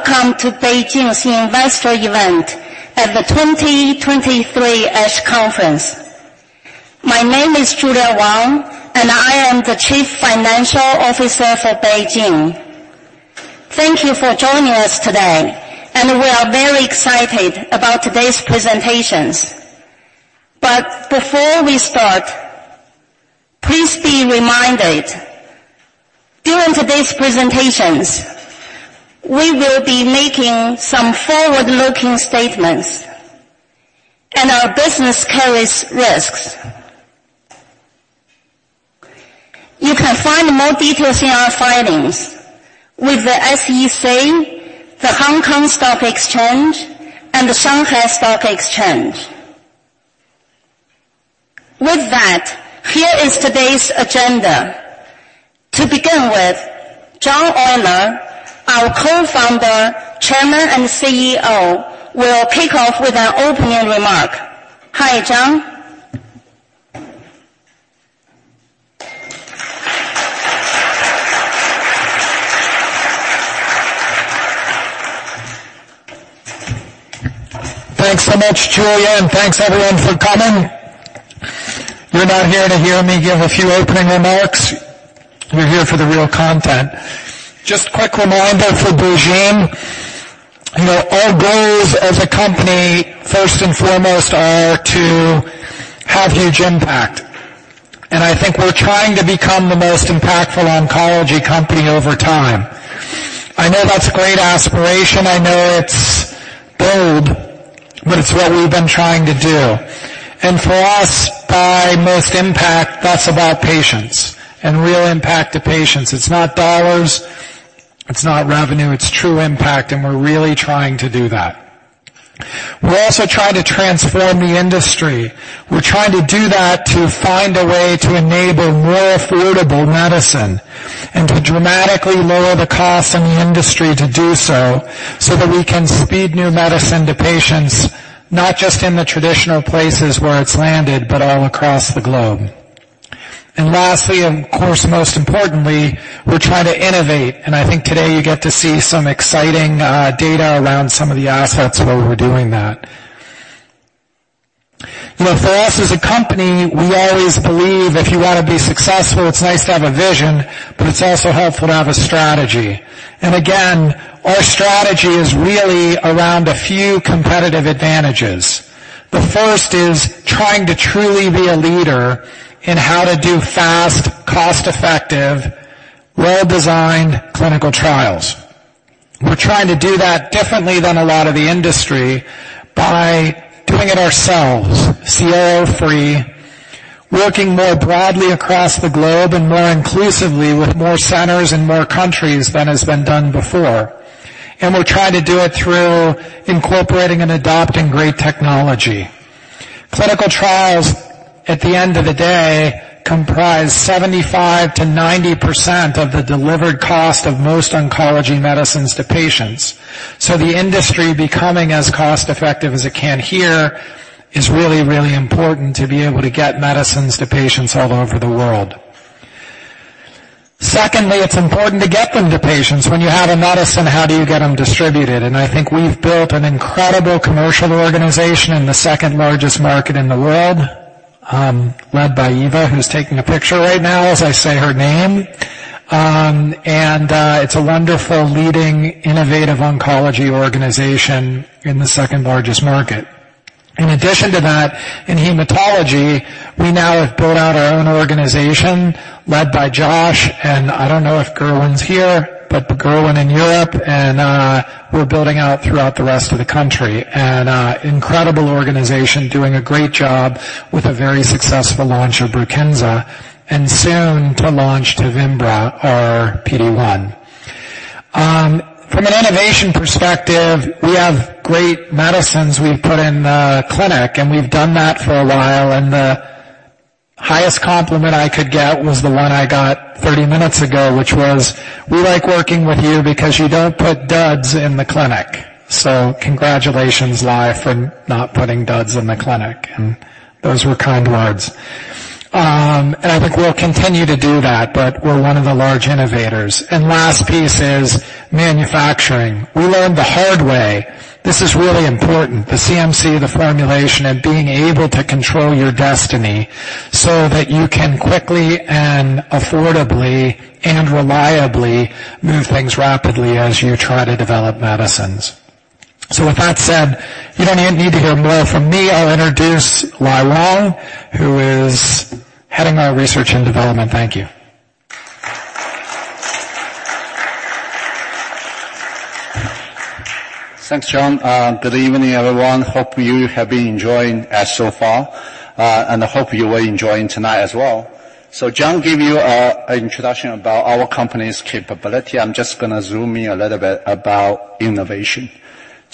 Hello, everyone. Welcome to BeiGene's Investor Event at the 2023 ASH Conference. My name is Julia Wang, and I am the Chief Financial Officer for BeiGene. Thank you for joining us today, and we are very excited about today's presentations. But before we start, please be reminded, during today's presentations, we will be making some forward-looking statements, and our business carries risks. You can find more details in our filings with the SEC, the Hong Kong Stock Exchange, and the Shanghai Stock Exchange. With that, here is today's agenda. To begin with, John Oyler, our Co-founder, Chairman, and CEO, will kick off with an opening remark. Hi, John. Thanks so much, Julia, and thanks, everyone, for coming. You're not here to hear me give a few opening remarks, you're here for the real content. Just a quick reminder for BeiGene, you know, our goals as a company, first and foremost, are to have huge impact, and I think we're trying to become the most impactful oncology company over time. I know that's a great aspiration. I know it's bold, but it's what we've been trying to do. And for us, by most impact, that's about patients and real impact to patients. It's not dollars, it's not revenue, it's true impact, and we're really trying to do that. We're also trying to transform the industry. We're trying to do that to find a way to enable more affordable medicine and to dramatically lower the cost in the industry to do so, so that we can speed new medicine to patients, not just in the traditional places where it's landed, but all across the globe. And lastly, and of course, most importantly, we're trying to innovate, and I think today you get to see some exciting data around some of the assets where we're doing that. You know, for us, as a company, we always believe if you wanna be successful, it's nice to have a vision, but it's also helpful to have a strategy. And again, our strategy is really around a few competitive advantages. The first is trying to truly be a leader in how to do fast, cost-effective, well-designed clinical trials. We're trying to do that differently than a lot of the industry by doing it ourselves, CRO-free, working more broadly across the globe and more inclusively with more centers and more countries than has been done before. And we're trying to do it through incorporating and adopting great technology. Clinical trials, at the end of the day, comprise 75% to 90% of the delivered cost of most oncology medicines to patients, so the industry becoming as cost-effective as it can here is really, really important to be able to get medicines to patients all over the world. Secondly, it's important to get them to patients. When you have a medicine, how do you get them distributed? And I think we've built an incredible commercial organization in the second-largest market in the world, led by Eva, who's taking a picture right now, as I say her name. It's a wonderful, leading, innovative oncology organization in the second-largest market. In addition to that, in hematology, we now have built out our own organization, led by Josh, and I don't know if Gerwin's here, but Gerwin in Europe, and we're building out throughout the rest of the country. Incredible organization, doing a great job with a very successful launch of Brukinsa, and soon to launch Tevimbra, our PD-1. From an innovation perspective, we have great medicines we've put in clinic, and we've done that for a while, and the highest compliment I could get was the one I got 30 minutes ago, which was, "We like working with you because you don't put duds in the clinic." So congratulations, Lai, for not putting duds in the clinic, and those were kind words. I think we'll continue to do that, but we're one of the large innovators. Last piece is manufacturing. We learned the hard way. This is really important, the CMC, the formulation, and being able to control your destiny so that you can quickly and affordably and reliably move things rapidly as you try to develop medicines. So with that said, you don't even need to hear more from me. I'll introduce Lai Wang, who is heading our research and development. Thank you. Thanks, John. Good evening, everyone. Hope you have been enjoying us so far, and I hope you will enjoying tonight as well. So John gave you an introduction about our company's capability. I'm just gonna zoom in a little bit about innovation.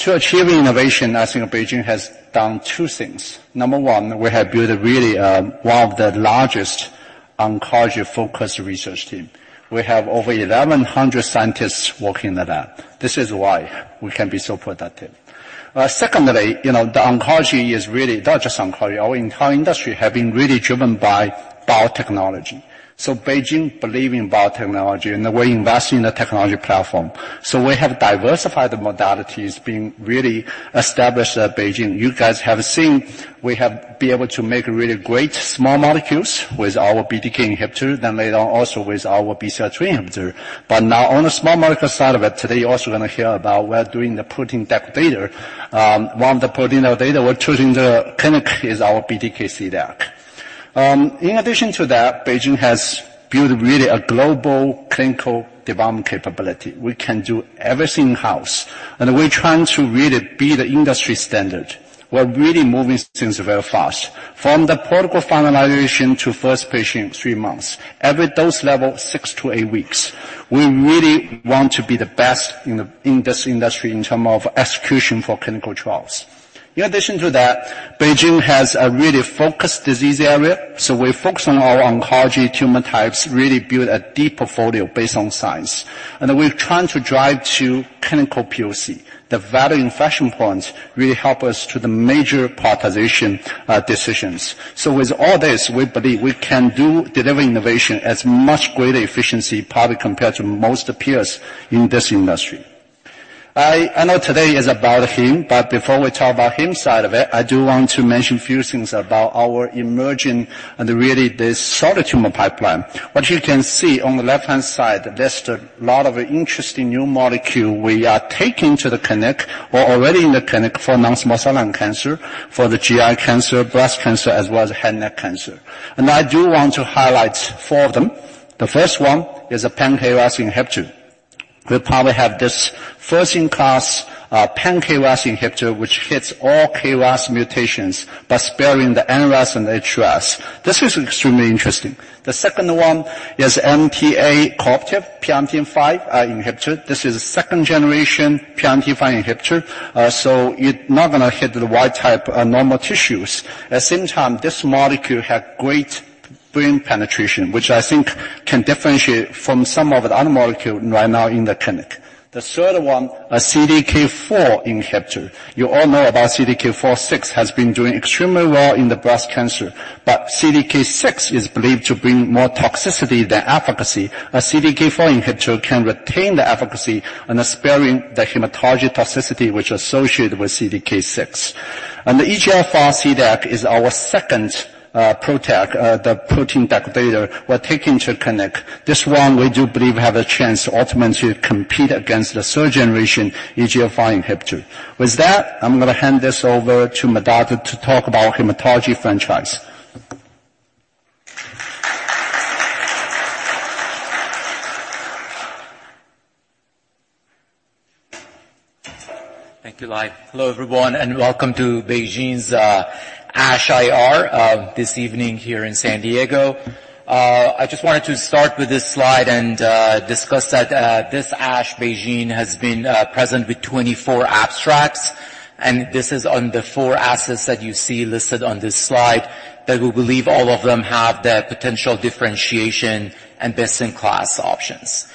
To achieve innovation, I think BeiGene has done two things. Number one, we have built a really one of the largest oncology-focused research team. We have over 1,100 scientists working in the lab. This is why we can be so productive. Secondly, you know, the oncology is really not just oncology, our entire industry have been really driven by biotechnology. So BeiGene believe in biotechnology, and we're investing in the technology platform. So we have diversified the modalities being really established at BeiGene. You guys have seen we have been able to make really great small molecules with our BTK inhibitor, then later on also with our BCL-2 inhibitor. But now on the small molecule side of it, today you're also gonna hear about we're doing the protein degrader. One of the protein degraders we're choosing for the clinic is our BTK CDAC. In addition to that, BeiGene has built really a global clinical development capability. We can do everything in-house, and we're trying to really be the industry standard. We're really moving things very fast. From the protocol finalization to first patient, three months. Every dose level, 6-8 weeks. We really want to be the best in this industry in terms of execution for clinical trials. In addition to that, BeiGene has a really focused disease area, so we focus on our oncology tumor types, really build a deep portfolio based on science, and we're trying to drive to clinical POC. The value inflection points really help us to the major prioritization decisions. So with all this, we believe we can deliver innovation at much greater efficiency, probably compared to most peers in this industry. I know today is about hem, but before we talk about hem side of it, I do want to mention a few things about our emerging and really the solid tumor pipeline. What you can see on the left-hand side, there's a lot of interesting new molecule we are taking to the clinic or already in the clinic for non-small cell lung cancer, for the GI cancer, breast cancer, as well as head and neck cancer. I do want to highlight four of them. The first one is a pan-HER inhibitor. We probably have this first-in-class pan-HER inhibitor, which hits all KRAS mutations by sparing the NRAS and HRAS. This is extremely interesting. The second one is MTAP-cooperative PRMT5 inhibitor. This is a second-generation PRMT5 inhibitor, so it's not gonna hit the wild-type normal tissues. At the same time, this molecule has great brain penetration, which I think can differentiate from some of the other molecule right now in the clinic. The third one, a CDK4 inhibitor. You all know about CDK4/6 has been doing extremely well in the breast cancer, but CDK6 is believed to bring more toxicity than efficacy. A CDK4 inhibitor can retain the efficacy and sparing the hematologic toxicity, which is associated with CDK6. The EGFR CDAC is our second, the protein degrader we're taking to clinic. This one we do believe have a chance to ultimately compete against the third-generation EGFR inhibitor. With that, I'm gonna hand this over to Mehrdad to talk about hematology franchise. Thank you, Lai. Hello, everyone, and welcome to BeiGene's ASH IR this evening here in San Diego. I just wanted to start with this slide and discuss that this BeiGene ASH has been present with 24 abstracts, and this is on the four assets that you see listed on this slide, that we believe all of them have the potential differentiation and best-in-class options.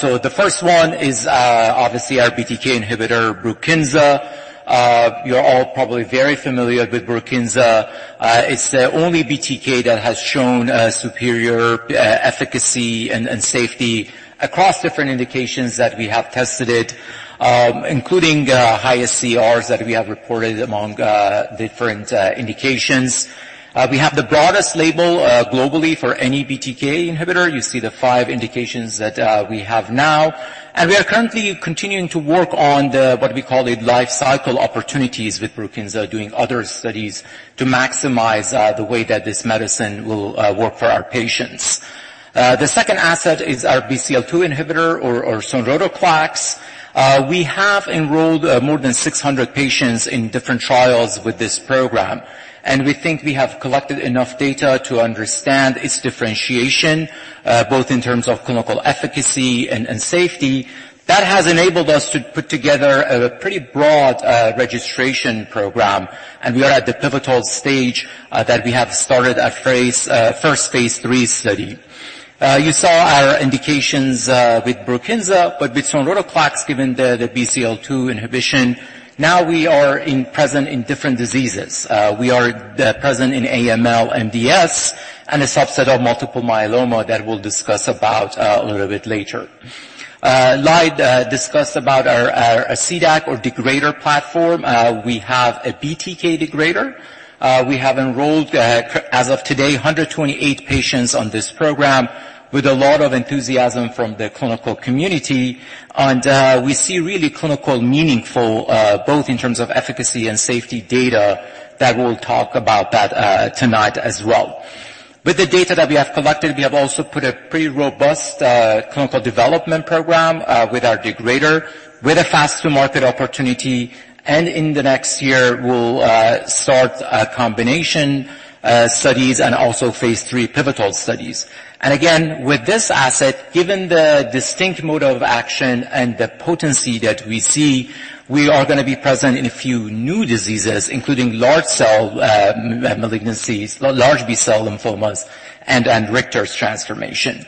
So the first one is obviously our BTK inhibitor, Brukinsa. You're all probably very familiar with Brukinsa. It's the only BTK that has shown superior efficacy and safety across different indications that we have tested it, including highest CRs that we have reported among different indications. We have the broadest label globally for any BTK inhibitor. You see the five indications that we have now, and we are currently continuing to work on the, what we call it, life cycle opportunities with Brukinsa, doing other studies to maximize the way that this medicine will work for our patients. The second asset is our BCL-2 inhibitor or sonrotoclax. We have enrolled more than 600 patients in different trials with this program, and we think we have collected enough data to understand its differentiation both in terms of clinical efficacy and safety. That has enabled us to put together a pretty broad registration program, and we are at the pivotal stage that we have started a first phase III study. You saw our indications with Brukinsa, but with sonrotoclax, given the BCL2 inhibition, now we are present in different diseases. We are present in AML, MDS, and a subset of multiple myeloma that we'll discuss about a little bit later. Lai discussed about our CDAC or degrader platform. We have a BTK degrader. We have enrolled, as of today, 128 patients on this program with a lot of enthusiasm from the clinical community, and we see really clinical meaningful both in terms of efficacy and safety data, that we'll talk about that tonight as well. With the data that we have collected, we have also put a pretty robust clinical development program with our degrader, with a fast-to-market opportunity, and in the next year, we'll start combination studies and also Phase III pivotal studies. And again, with this asset, given the distinct mode of action and the potency that we see, we are gonna be present in a few new diseases, including large cell malignancies, large B-cell lymphomas, and Richter's transformation.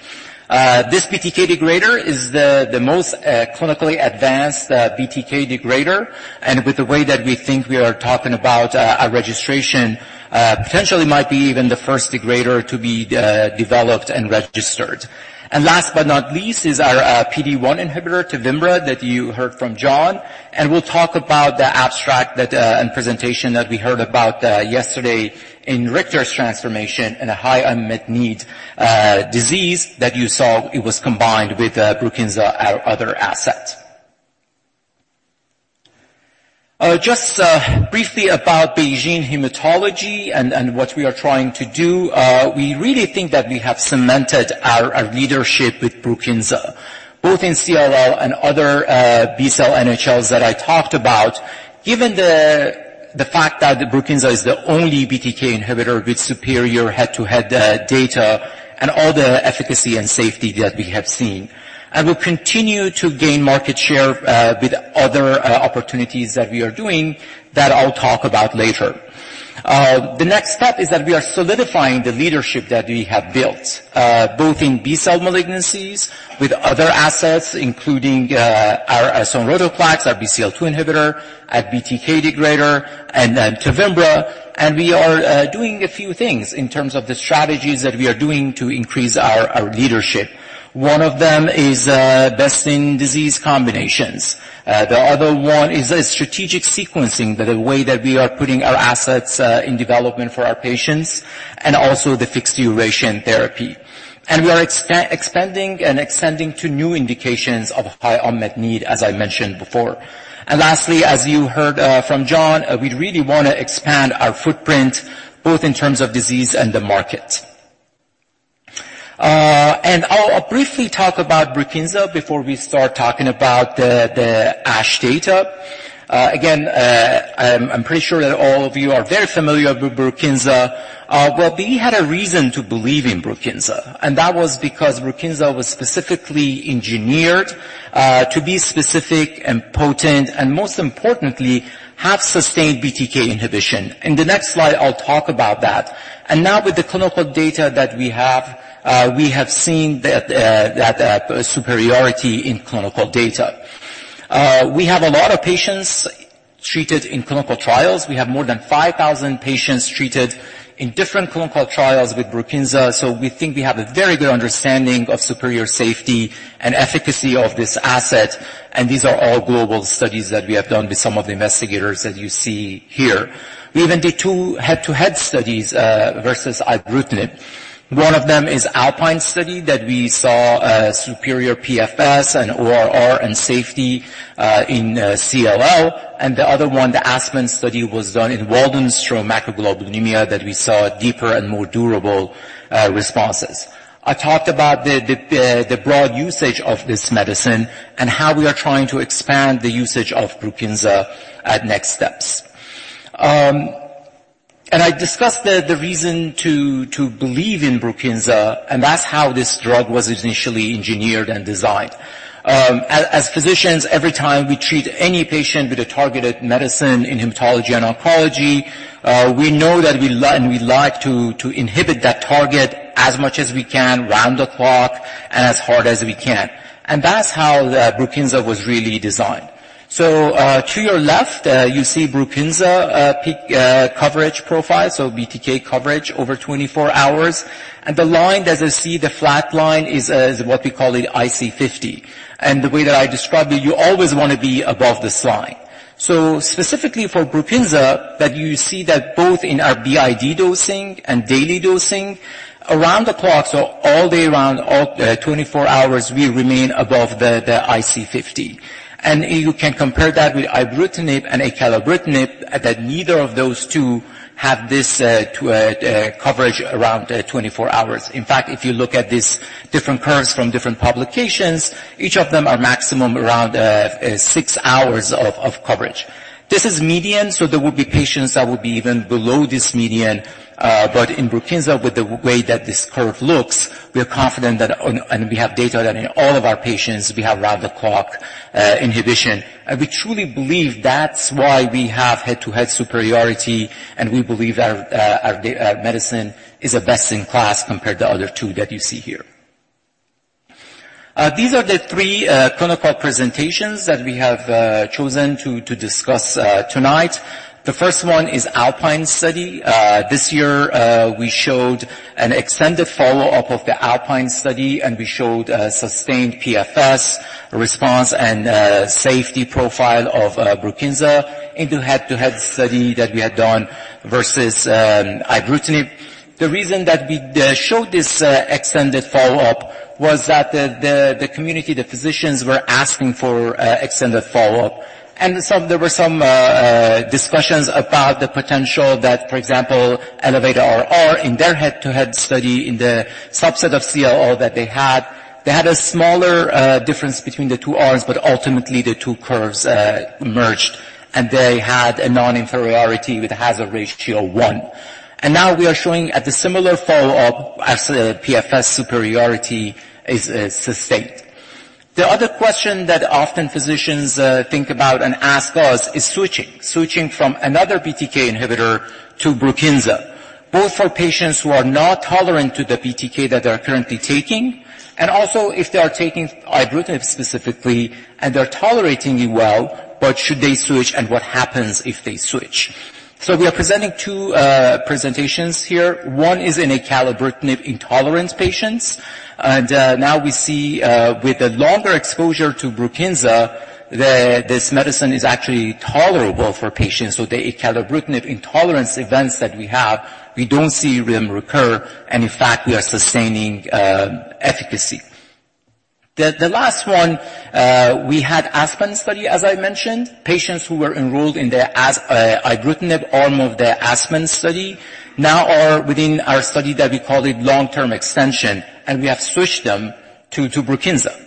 This BTK degrader is the most clinically advanced BTK degrader, and with the way that we think we are talking about a registration, potentially might be even the first degrader to be developed and registered. And last but not least, is our PD-1 inhibitor, Tevimbra, that you heard from John. We'll talk about the abstract and presentation that we heard about yesterday in Richter's transformation in a high unmet need disease that you saw it was combined with Brukinsa, our other asset. Just briefly about BeiGene Hematology and what we are trying to do. We really think that we have cemented our leadership with Brukinsa, both in CLL and other B-cell NHLs that I talked about. Given the fact that Brukinsa is the only BTK inhibitor with superior head-to-head data and all the efficacy and safety that we have seen, and we'll continue to gain market share with other opportunities that we are doing, that I'll talk about later. The next step is that we are solidifying the leadership that we have built, both in B-cell malignancies with other assets, including our sonrotoclax, our BCL2 inhibitor, and BTK degrader, and then Tevimbra. And we are doing a few things in terms of the strategies that we are doing to increase our leadership. One of them is best-in-disease combinations. The other one is a strategic sequencing, the way that we are putting our assets in development for our patients, and also the fixed-duration therapy. And we are expanding and extending to new indications of high unmet need, as I mentioned before. And lastly, as you heard from John, we really wanna expand our footprint, both in terms of disease and the market. And I'll briefly talk about Brukinsa before we start talking about the ASH data. Again, I'm pretty sure that all of you are very familiar with Brukinsa. Well, we had a reason to believe in Brukinsa, and that was because Brukinsa was specifically engineered to be specific and potent, and most importantly, have sustained BTK inhibition. In the next slide, I'll talk about that. And now, with the clinical data that we have, we have seen the that superiority in clinical data. We have a lot of patients treated in clinical trials. We have more than 5,000 patients treated in different clinical trials with Brukinsa, so we think we have a very good understanding of superior safety and efficacy of this asset, and these are all global studies that we have done with some of the investigators that you see here. We even did two head-to-head studies versus ibrutinib. One of them is the ALPINE study that we saw superior PFS and ORR and safety in CLL, and the other one, the Aspen study, was done in Waldenström macroglobulinemia, that we saw deeper and more durable responses. I talked about the broad usage of this medicine and how we are trying to expand the usage of Brukinsa at next steps. And I discussed the reason to believe in Brukinsa, and that's how this drug was initially engineered and designed. As physicians, every time we treat any patient with a targeted medicine in hematology and oncology, we know that we like to inhibit that target as much as we can, round the clock, and as hard as we can. And that's how the Brukinsa was really designed. So, to your left, you see Brukinsa peak coverage profile, so BTK coverage over 24 hours. And the line, as you see, the flat line is what we call it, IC50. And the way that I describe it, you always wanna be above this line. So specifically for Brukinsa, that you see that both in our BID dosing and daily dosing, around the clock, so all day round, all 24 hours, we remain above the IC50. And you can compare that with ibrutinib and acalabrutinib, that neither of those two have this too coverage around 24 hours. In fact, if you look at these different curves from different publications, each of them are maximum around 6 hours of coverage. This is median, so there will be patients that will be even below this median. But in Brukinsa, with the way that this curve looks, we are confident that. And we have data that in all of our patients, we have round-the-clock inhibition. And we truly believe that's why we have head-to-head superiority, and we believe our medicine is a best in class compared to other two that you see here. These are the three clinical presentations that we have chosen to discuss tonight. The first one is ALPINE study. This year, we showed an extended follow-up of the ALPINE study, and we showed a sustained PFS response and safety profile of Brukinsa in the head-to-head study that we had done versus ibrutinib. The reason that we showed this extended follow-up was that the community, the physicians, were asking for extended follow-up. There were some discussions about the potential that, for example, ELEVATE-RR in their head-to-head study in the subset of CLL that they had, they had a smaller difference between the two R's, but ultimately, the two curves merged, and they had a non-inferiority with a hazard ratio one. Now we are showing at the similar follow-up as PFS superiority is sustained. The other question that often physicians think about and ask us is switching from another BTK inhibitor to Brukinsa. Both for patients who are not tolerant to the BTK that they are currently taking, and also if they are taking ibrutinib specifically, and they're tolerating it well, but should they switch, and what happens if they switch? We are presenting two presentations here. One is in acalabrutinib-intolerant patients, and now we see with a longer exposure to Brukinsa, this medicine is actually tolerable for patients. So the acalabrutinib intolerance events that we have, we don't see them recur, and in fact, we are sustaining efficacy. The last one, we had Aspen study, as I mentioned. Patients who were enrolled in the ibrutinib arm of the Aspen study now are within our study that we call it long-term extension, and we have switched them to Brukinsa.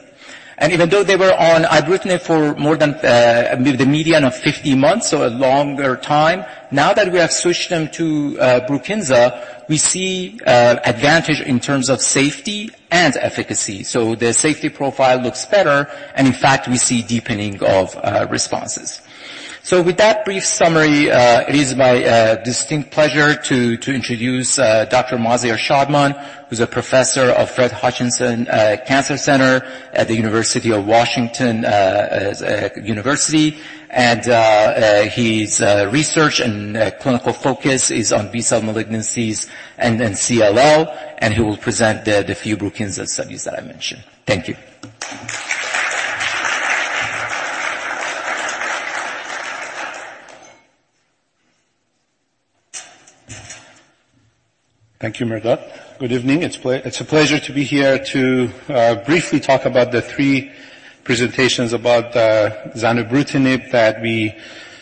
And even though they were on ibrutinib for more than with a median of 50 months, so a longer time, now that we have switched them to Brukinsa, we see advantage in terms of safety and efficacy. So the safety profile looks better, and in fact, we see deepening of responses. So with that brief summary, it is my distinct pleasure to introduce Dr. Maziar Shadman, who's a professor of Fred Hutchinson Cancer Center at the University of Washington. And his research and clinical focus is on B-cell malignancies and then CLL, and he will present the few Brukinsa studies that I mentioned. Thank you. Thank you, Mehrdad. Good evening. It's a pleasure to be here to briefly talk about the three presentations about zanubrutinib that we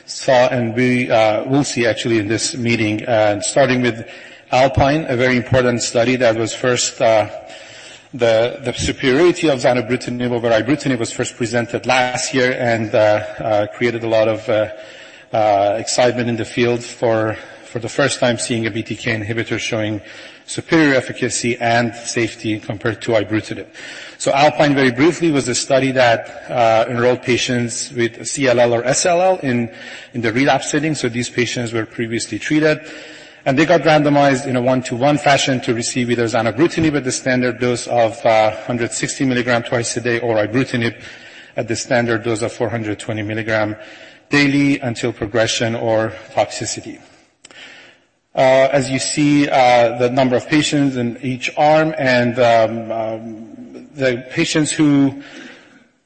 saw, and we will see actually in this meeting. Starting with Alpine, a very important study. The superiority of zanubrutinib over ibrutinib was first presented last year and created a lot of excitement in the field for the first time seeing a BTK inhibitor showing superior efficacy and safety compared to ibrutinib. So Alpine, very briefly, was a study that enrolled patients with CLL or SLL in the relapse setting. So these patients were previously treated, and they got randomized in a one-to-one fashion to receive either zanubrutinib at the standard dose of 160 milligrams twice a day, or ibrutinib at the standard dose of 420 milligrams daily until progression or toxicity. As you see, the number of patients in each arm and the patients who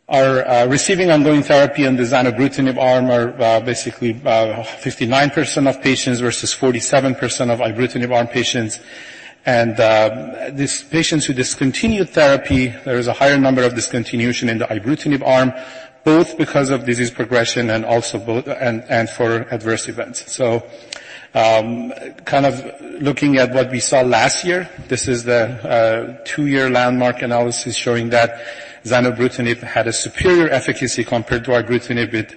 are receiving ongoing therapy in the zanubrutinib arm are basically 59% of patients versus 47% of ibrutinib arm patients. And these patients who discontinued therapy, there is a higher number of discontinuation in the ibrutinib arm, both because of disease progression and also for adverse events. Kind of looking at what we saw last year, this is the two-year landmark analysis showing that zanubrutinib had a superior efficacy compared to ibrutinib, with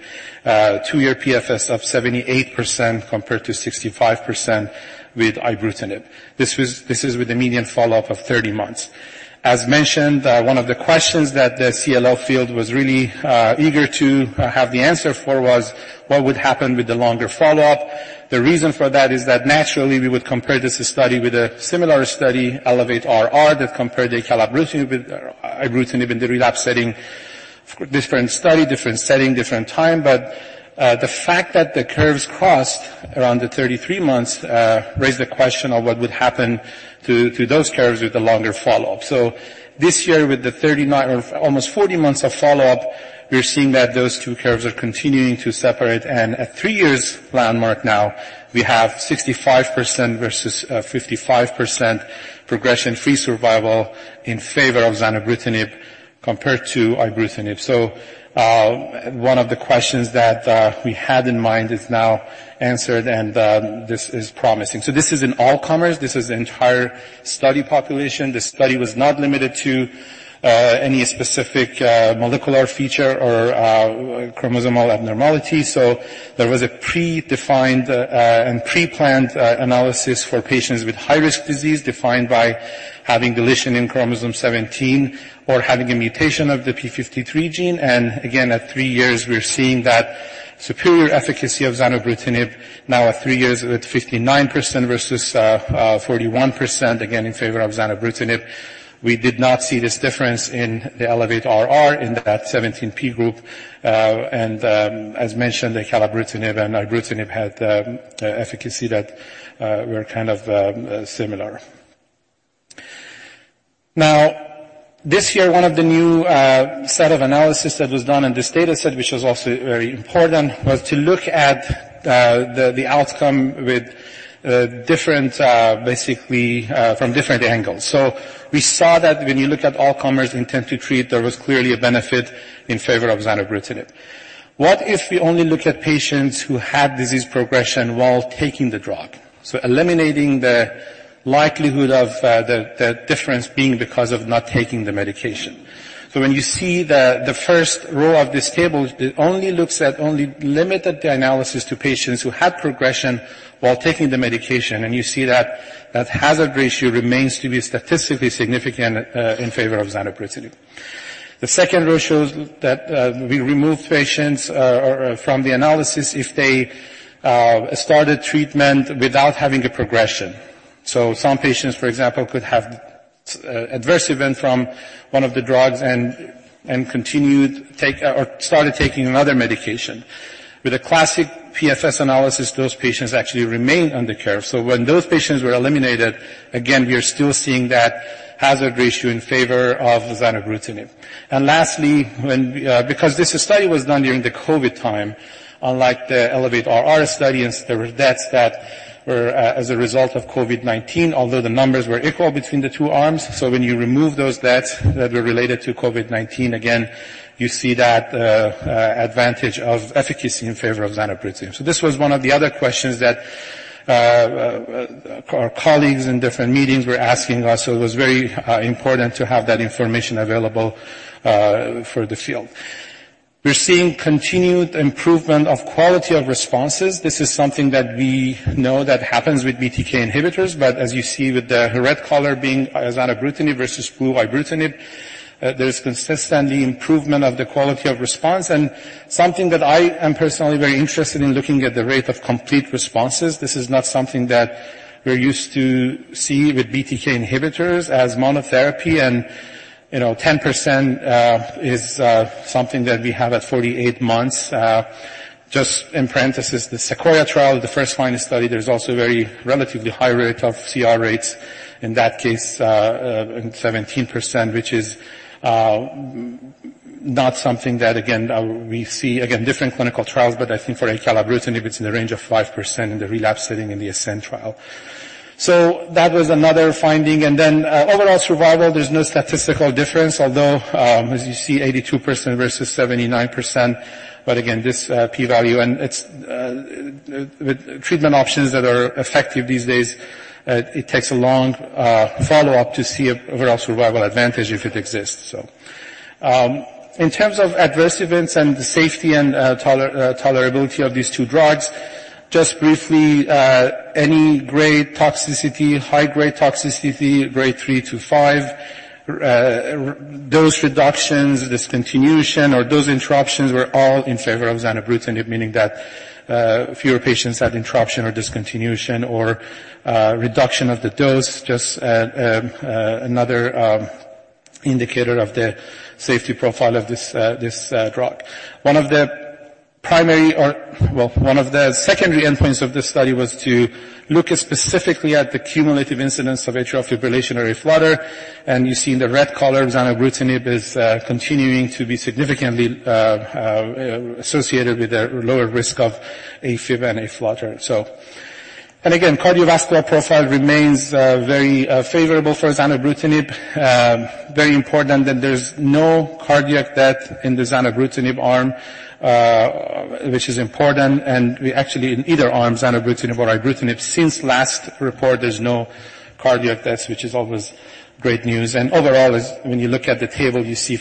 two-year PFS of 78% compared to 65% with ibrutinib. This is with a median follow-up of 30 months. As mentioned, one of the questions that the CLL field was really eager to have the answer for was: what would happen with the longer follow-up? The reason for that is that naturally we would compare this study with a similar study, ELEVATE-RR, that compared acalabrutinib with ibrutinib in the relapse setting. Different study, different setting, different time, but the fact that the curves crossed around the 33 months raised the question of what would happen to those curves with the longer follow-up. So this year, with the 39 or almost 40 months of follow-up, we're seeing that those two curves are continuing to separate, and at three years landmark now, we have 65% versus 55% progression-free survival in favor of zanubrutinib compared to ibrutinib. So one of the questions that we had in mind is now answered, and this is promising. So this is in all comers. This is the entire study population. The study was not limited to any specific molecular feature or chromosomal abnormality. So there was a predefined and pre-planned analysis for patients with high-risk disease, defined by having deletion in chromosome 17 or having a mutation of the P53 gene. Again, at three years, we're seeing that superior efficacy of zanubrutinib now at three years with 59% versus 41%, again, in favor of zanubrutinib. We did not see this difference in the ELEVATE-RR in that 17p group. As mentioned, the acalabrutinib and ibrutinib had efficacy that were kind of similar. Now, this year, one of the new set of analysis that was done in this data set, which was also very important, was to look at the outcome with different, basically, from different angles. So we saw that when you looked at all comers intent to treat, there was clearly a benefit in favor of zanubrutinib. What if we only look at patients who had disease progression while taking the drug? So eliminating the likelihood of the difference being because of not taking the medication. So when you see the first row of this table, it only limited the analysis to patients who had progression while taking the medication, and you see that hazard ratio remains to be statistically significant in favor of zanubrutinib. The second row shows that we removed patients from the analysis if they started treatment without having a progression. So some patients, for example, could have adverse event from one of the drugs and continued take, or started taking another medication. With a classic PFS analysis, those patients actually remain on the curve. So when those patients were eliminated, again, we are still seeing that hazard ratio in favor of zanubrutinib. And lastly, when... Because this study was done during the COVID time, unlike the ELEVATE-RR study, and there were deaths that were as a result of COVID-19, although the numbers were equal between the two arms. So when you remove those deaths that were related to COVID-19, again, you see that advantage of efficacy in favor of zanubrutinib. So this was one of the other questions that our colleagues in different meetings were asking us, so it was very important to have that information available for the field. We're seeing continued improvement of quality of responses. This is something that we know that happens with BTK inhibitors, but as you see with the red color being zanubrutinib versus blue ibrutinib, there is consistently improvement of the quality of response. Something that I am personally very interested in, looking at the rate of complete responses. This is not something that we're used to seeing with BTK inhibitors as monotherapy, and, you know, 10% is something that we have at 48 months. Just in parentheses, the Sequoia trial, the first-line study, there's also a very relatively high rate of CR rates, in that case, 17%, which is, not something that, again, we see. Again, different clinical trials, but I think for acalabrutinib, it's in the range of 5% in the relapse setting in the ASCEND trial. So that was another finding. And then, overall survival, there's no statistical difference, although, as you see, 82% versus 79%. But again, this p-value and it's with treatment options that are effective these days, it takes a long follow-up to see an overall survival advantage if it exists, so. In terms of adverse events and the safety and tolerability of these two drugs, just briefly, any grade toxicity, high-grade toxicity, Grade 3-5, dose reductions, discontinuation, or dose interruptions were all in favor of zanubrutinib, meaning that fewer patients had interruption or discontinuation or reduction of the dose, just another indicator of the safety profile of this drug. One of the primary or... Well, one of the secondary endpoints of this study was to look specifically at the cumulative incidence of atrial fibrillation or AFib flutter, and you see in the red color, zanubrutinib is continuing to be significantly associated with a lower risk of AFib and AFib/flutter, so. And again, cardiovascular profile remains very favorable for zanubrutinib. Very important that there's no cardiac death in the zanubrutinib arm, which is important, and we actually, in either arm, zanubrutinib or ibrutinib, since last report, there's no cardiac deaths, which is always great news. And overall, as when you look at the table, you see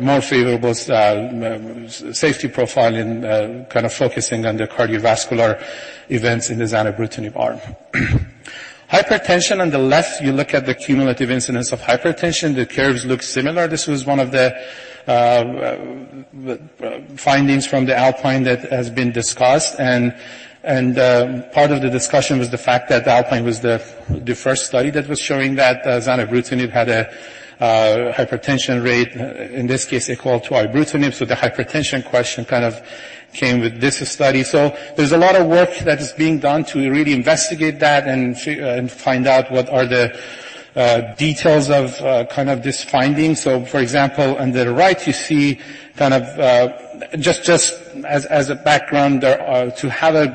more favorable safety profile in kind of focusing on the cardiovascular events in the zanubrutinib arm. Hypertension, on the left, you look at the cumulative incidence of hypertension, the curves look similar. This was one of the findings from the ALPINE that has been discussed, and part of the discussion was the fact that the ALPINE was the first study that was showing that zanubrutinib had a hypertension rate, in this case, equal to ibrutinib. So the hypertension question kind of came with this study. So there's a lot of work that is being done to really investigate that and find out what are the details of kind of this finding. So for example, on the right you see kind of just as a background there, to have a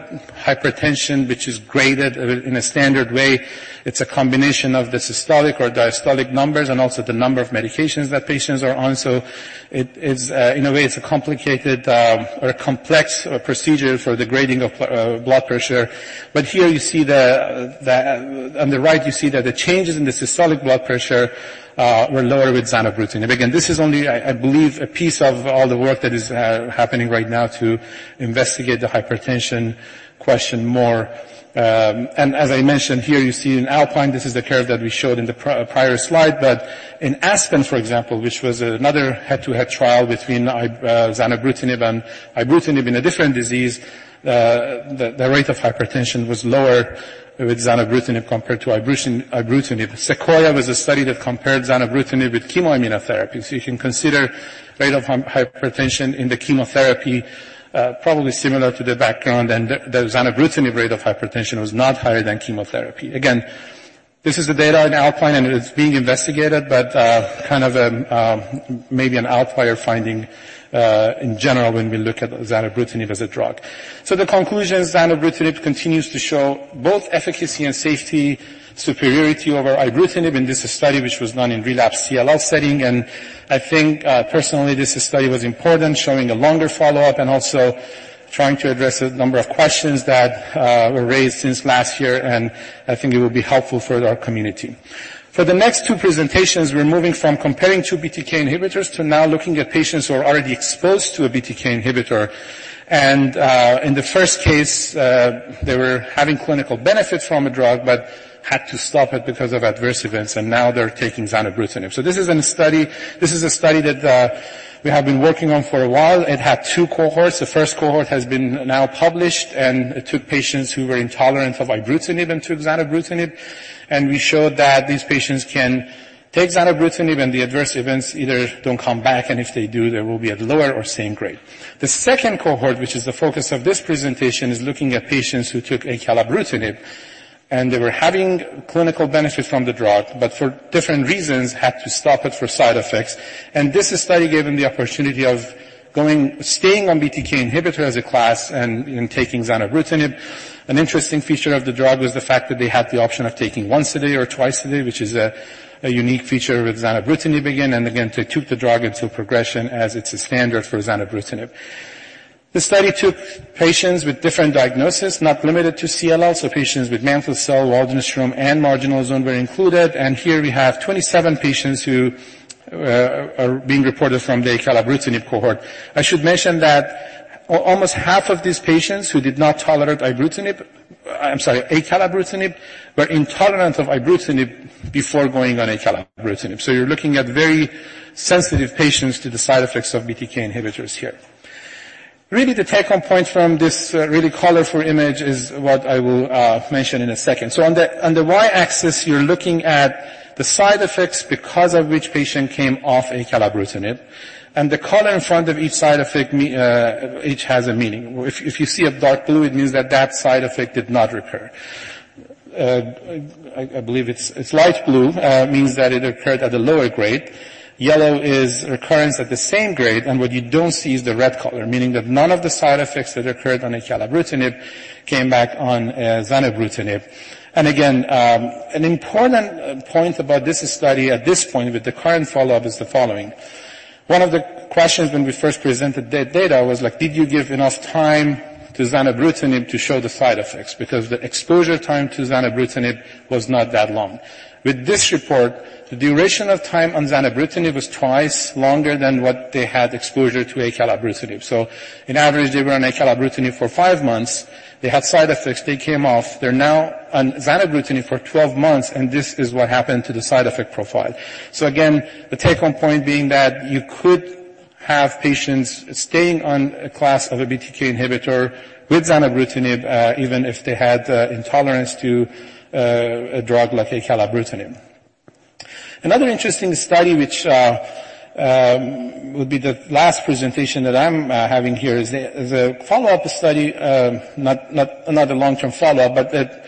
hypertension, which is graded in a standard way, it's a combination of the systolic or diastolic numbers and also the number of medications that patients are on. So it is, in a way, it's a complicated, or a complex procedure for the grading of blood pressure. But here you see the... On the right, you see that the changes in the systolic blood pressure were lower with zanubrutinib. Again, this is only, I believe, a piece of all the work that is happening right now to investigate the hypertension question more. And as I mentioned here, you see in Alpine, this is the curve that we showed in the prior slide. But in Aspen, for example, which was another head-to-head trial between zanubrutinib and ibrutinib in a different disease, the rate of hypertension was lower with zanubrutinib compared to ibrutinib. Sequoia was a study that compared zanubrutinib with chemo immunotherapy. So you can consider rate of hypertension in the chemotherapy, probably similar to the background, and the zanubrutinib rate of hypertension was not higher than chemotherapy. Again, this is the data in Alpine, and it's being investigated, but kind of a maybe an outlier finding, in general, when we look at zanubrutinib as a drug. So the conclusion is zanubrutinib continues to show both efficacy and safety superiority over ibrutinib in this study, which was done in relapsed CLL setting. And I think, personally, this study was important, showing a longer follow-up and also trying to address a number of questions that were raised since last year, and I think it will be helpful for our community. For the next two presentations, we're moving from comparing two BTK inhibitors to now looking at patients who are already exposed to a BTK inhibitor. In the first case, they were having clinical benefits from a drug but had to stop it because of adverse events, and now they're taking zanubrutinib. So this is in a study. This is a study that we have been working on for a while. It had two cohorts. The first cohort has been now published, and it took patients who were intolerant of ibrutinib and took zanubrutinib, and we showed that these patients can take zanubrutinib, and the adverse events either don't come back, and if they do, they will be at lower or same grade. The second cohort, which is the focus of this presentation, is looking at patients who took acalabrutinib, and they were having clinical benefit from the drug, but for different reasons, had to stop it for side effects. This study gave them the opportunity of staying on BTK inhibitor as a class and taking zanubrutinib. An interesting feature of the drug was the fact that they had the option of taking once a day or twice a day, which is a unique feature with zanubrutinib again and again, they took the drug until progression, as it's a standard for zanubrutinib. The study took patients with different diagnosis, not limited to CLL, so patients with mantle cell, Waldenström, and marginal zone were included, and here we have 27 patients who are being reported from the acalabrutinib cohort. I should mention that almost half of these patients who did not tolerate ibrutinib, I'm sorry, acalabrutinib, were intolerant of ibrutinib before going on acalabrutinib. So you're looking at very sensitive patients to the side effects of BTK inhibitors here. Really, the take-home point from this really colorful image is what I will mention in a second. So on the y-axis, you're looking at the side effects because of which patient came off acalabrutinib, and the color in front of each side effect has a meaning. If you see a dark blue, it means that that side effect did not recur. I believe it's light blue means that it occurred at a lower grade. Yellow is recurrence at the same grade, and what you don't see is the red color, meaning that none of the side effects that occurred on acalabrutinib came back on zanubrutinib. And again, an important point about this study at this point with the current follow-up is the following: One of the questions when we first presented the data was, like, did you give enough time to zanubrutinib to show the side effects? Because the exposure time to zanubrutinib was not that long. With this report, the duration of time on zanubrutinib was twice longer than what they had exposure to acalabrutinib. So in average, they were on acalabrutinib for five months. They had side effects, they came off. They're now on zanubrutinib for 12 months, and this is what happened to the side effect profile. So again, the take-home point being that you could have patients staying on a class of a BTK inhibitor with zanubrutinib, even if they had intolerance to a drug like acalabrutinib. Another interesting study, which would be the last presentation that I'm having here, is a follow-up study, not another long-term follow-up, but a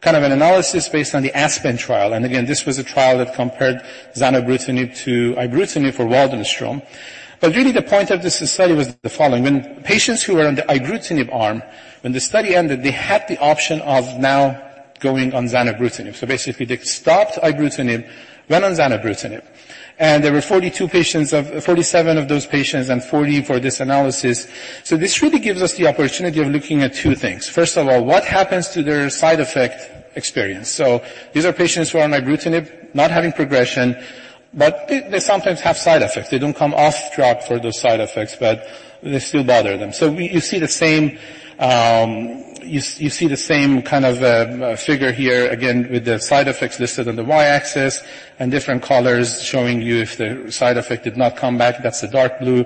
kind of an analysis based on the Aspen trial. And again, this was a trial that compared zanubrutinib to ibrutinib for Waldenström. But really, the point of this study was the following: When patients who were on the ibrutinib arm, when the study ended, they had the option of now going on zanubrutinib. So basically, they stopped ibrutinib, went on zanubrutinib, and there were 42 patients of 47 of those patients and 40 for this analysis. So this really gives us the opportunity of looking at two things. First of all, what happens to their side effect experience? So these are patients who are on ibrutinib, not having progression, but they sometimes have side effects. They don't come off drug for those side effects, but they still bother them. So you see the same kind of figure here, again, with the side effects listed on the y-axis and different colors showing you if the side effect did not come back, that's the dark blue,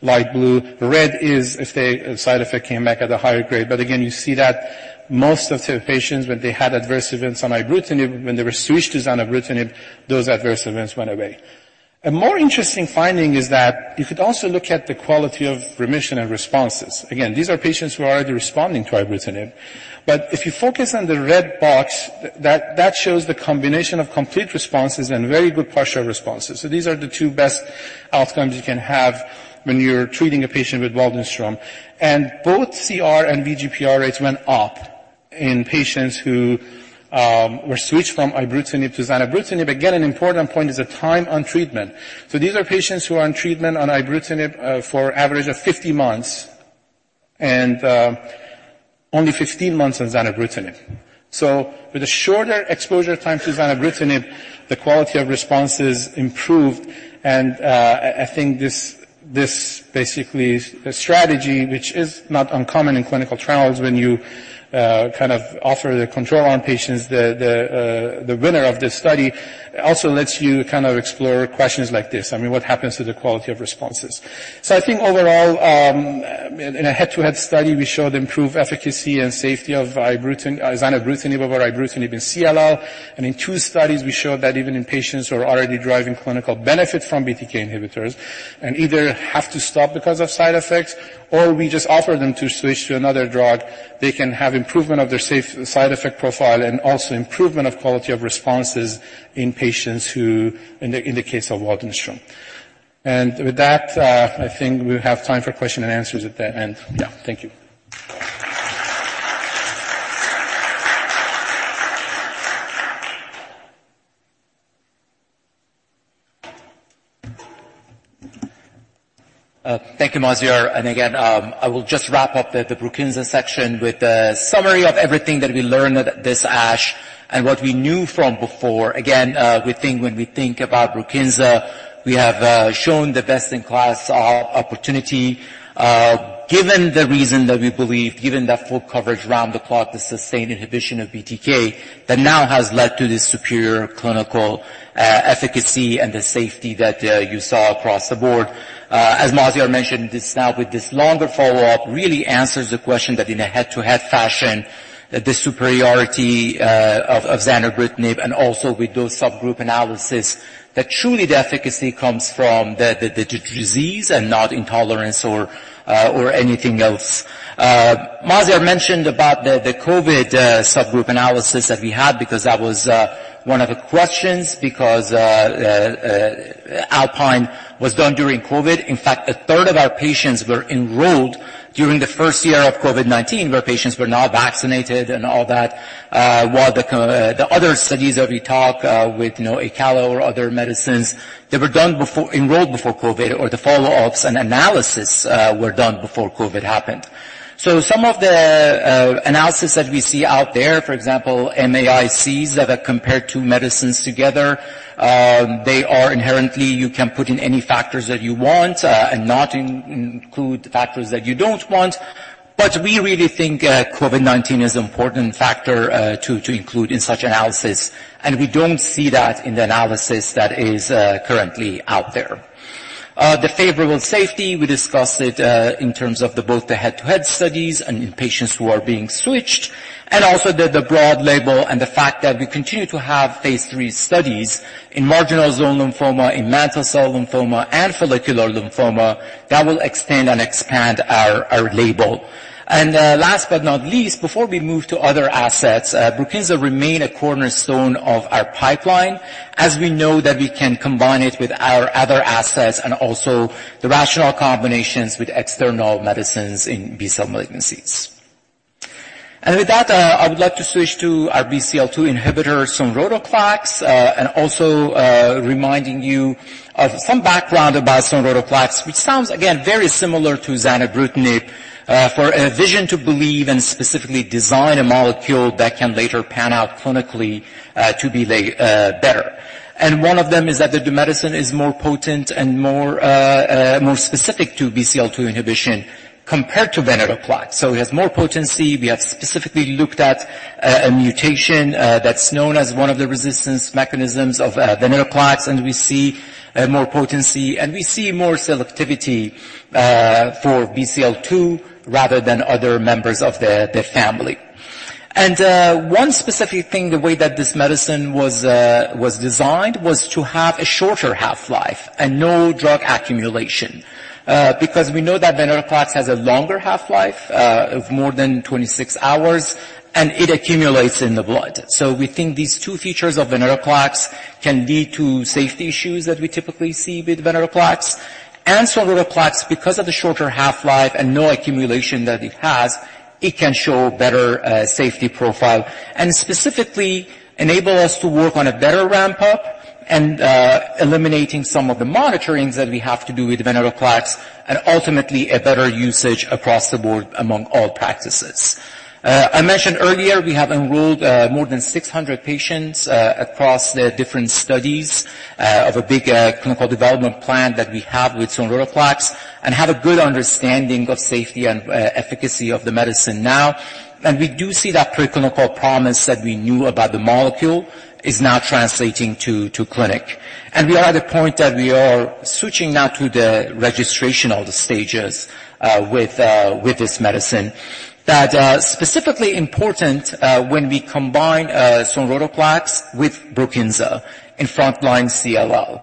light blue. Red is if the side effect came back at a higher grade. But again, you see that most of the patients, when they had adverse events on ibrutinib, when they were switched to zanubrutinib, those adverse events went away. A more interesting finding is that you could also look at the quality of remission and responses. Again, these are patients who are already responding to ibrutinib, but if you focus on the red box, that shows the combination of complete responses and very good partial responses. So these are the two best outcomes you can have when you're treating a patient with Waldenström. And both CR and VGPR rates went up in patients who were switched from ibrutinib to zanubrutinib. Again, an important point is the time on treatment. So these are patients who are on treatment on ibrutinib for average of 50 months and only 15 months on zanubrutinib. So with a shorter exposure time to zanubrutinib, the quality of responses improved, and I think this basically is the strategy, which is not uncommon in clinical trials when you kind of offer the control on patients. The winner of this study also lets you kind of explore questions like this. I mean, what happens to the quality of responses? So I think overall, in a head-to-head study, we showed improved efficacy and safety of zanubrutinib over ibrutinib in CLL, and in two studies, we showed that even in patients who are already deriving clinical benefit from BTK inhibitors and either have to stop because of side effects, or we just offer them to switch to another drug, they can have improvement of their side effect profile and also improvement of quality of responses in patients who in the case of Waldenström. And with that, I think we have time for Q&As at the end. Yeah, thank you. Thank you, Maziar. And again, I will just wrap up the Brukinsa section with a summary of everything that we learned at this ASH. And what we knew from before, again, we think when we think about Brukinsa, we have shown the best-in-class opportunity. Given the reason that we believe, given that full coverage around the clock, the sustained inhibition of BTK, that now has led to this superior clinical efficacy and the safety that you saw across the board. As Maziar mentioned, this now, with this longer follow-up, really answers the question that in a head-to-head fashion, that the superiority of zanubrutinib, and also with those subgroup analysis, that truly the efficacy comes from the disease and not intolerance or anything else. Maziar mentioned about the COVID subgroup analysis that we had, because that was one of the questions, because Alpine was done during COVID. In fact, a third of our patients were enrolled during the first year of COVID-19, where patients were not vaccinated and all that, while the other studies that we talk with, you know, Acal or other medicines, they were done before... Enrolled before COVID, or the follow-ups and analysis were done before COVID happened. So some of the analysis that we see out there, for example, MAICs that have compared two medicines together, they are inherently, you can put in any factors that you want, and not include the factors that you don't want. But we really think, COVID-19 is an important factor, to include in such analysis, and we don't see that in the analysis that is, currently out there. The favorable safety, we discussed it, in terms of both the head-to-head studies and in patients who are being switched, and also the broad label and the fact that we continue to have Phase III studies in marginal zone lymphoma, in mantle cell lymphoma, and follicular lymphoma, that will extend and expand our label. And, last but not least, before we move to other assets, Brukinsa remains a cornerstone of our pipeline, as we know that we can combine it with our other assets and also the rational combinations with external medicines in B-cell malignancies. And with that, I would like to switch to our BCL-2 inhibitor, sonrotoclax, and also, reminding you of some background about sonrotoclax, which sounds again, very similar to zanubrutinib, for a vision to believe and specifically design a molecule that can later pan out clinically, to be better. And one of them is that the medicine is more potent and more specific to BCL-2 inhibition compared to venetoclax. So it has more potency. We have specifically looked at a mutation that's known as one of the resistance mechanisms of venetoclax, and we see more potency, and we see more selectivity for BCL-2 rather than other members of the family. And one specific thing, the way that this medicine was designed, was to have a shorter half-life and no drug accumulation. Because we know that venetoclax has a longer half-life of more than 26 hours, and it accumulates in the blood. So we think these two features of venetoclax can lead to safety issues that we typically see with venetoclax. And sonrotoclax, because of the shorter half-life and no accumulation that it has, it can show better safety profile and specifically enable us to work on a better ramp-up and eliminating some of the monitorings that we have to do with venetoclax, and ultimately, a better usage across the board among all practices. I mentioned earlier, we have enrolled more than 600 patients across the different studies of a big clinical development plan that we have with sonrotoclax, and have a good understanding of safety and efficacy of the medicine now. We do see that preclinical promise that we knew about the molecule is now translating to clinic. We are at the point that we are switching now to the registrational stages with this medicine that specifically important when we combine sonrotoclax with Brukinsa in frontline CLL.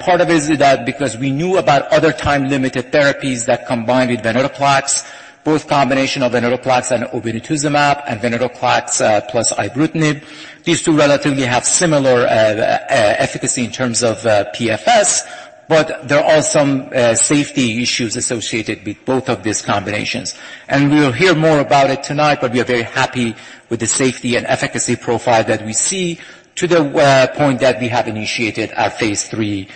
Part of it is that because we knew about other time-limited therapies that combine with venetoclax, both combination of venetoclax and obinutuzumab, and venetoclax plus ibrutinib. These two relatively have similar efficacy in terms of PFS, but there are some safety issues associated with both of these combinations. We'll hear more about it tonight, but we are very happy with the safety and efficacy profile that we see, to the point that we have initiated a phase III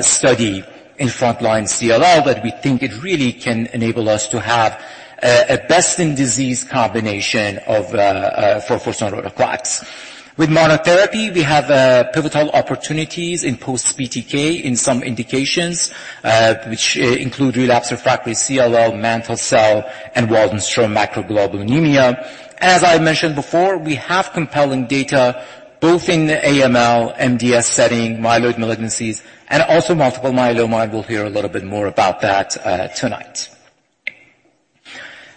study in frontline CLL, that we think it really can enable us to have a best-in-disease combination for sonrotoclax. With monotherapy, we have pivotal opportunities in post-BTK in some indications, which include relapse refractory CLL, mantle cell, and Waldenström macroglobulinemia. As I mentioned before, we have compelling data both in the AML, MDS setting, myeloid malignancies, and also multiple myeloma, and we'll hear a little bit more about that tonight.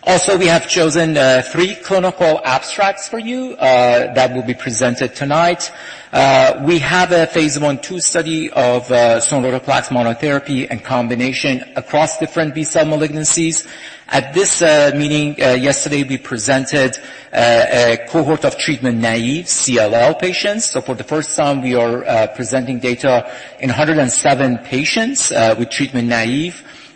Also, we have chosen three clinical abstracts for you that will be presented tonight. We have a phase I/II study of sonrotoclax monotherapy and combination across different B-cell malignancies. At this meeting... Yesterday, we presented a cohort of treatment-naive CLL patients. For the first time, we are presenting data in 107 patients with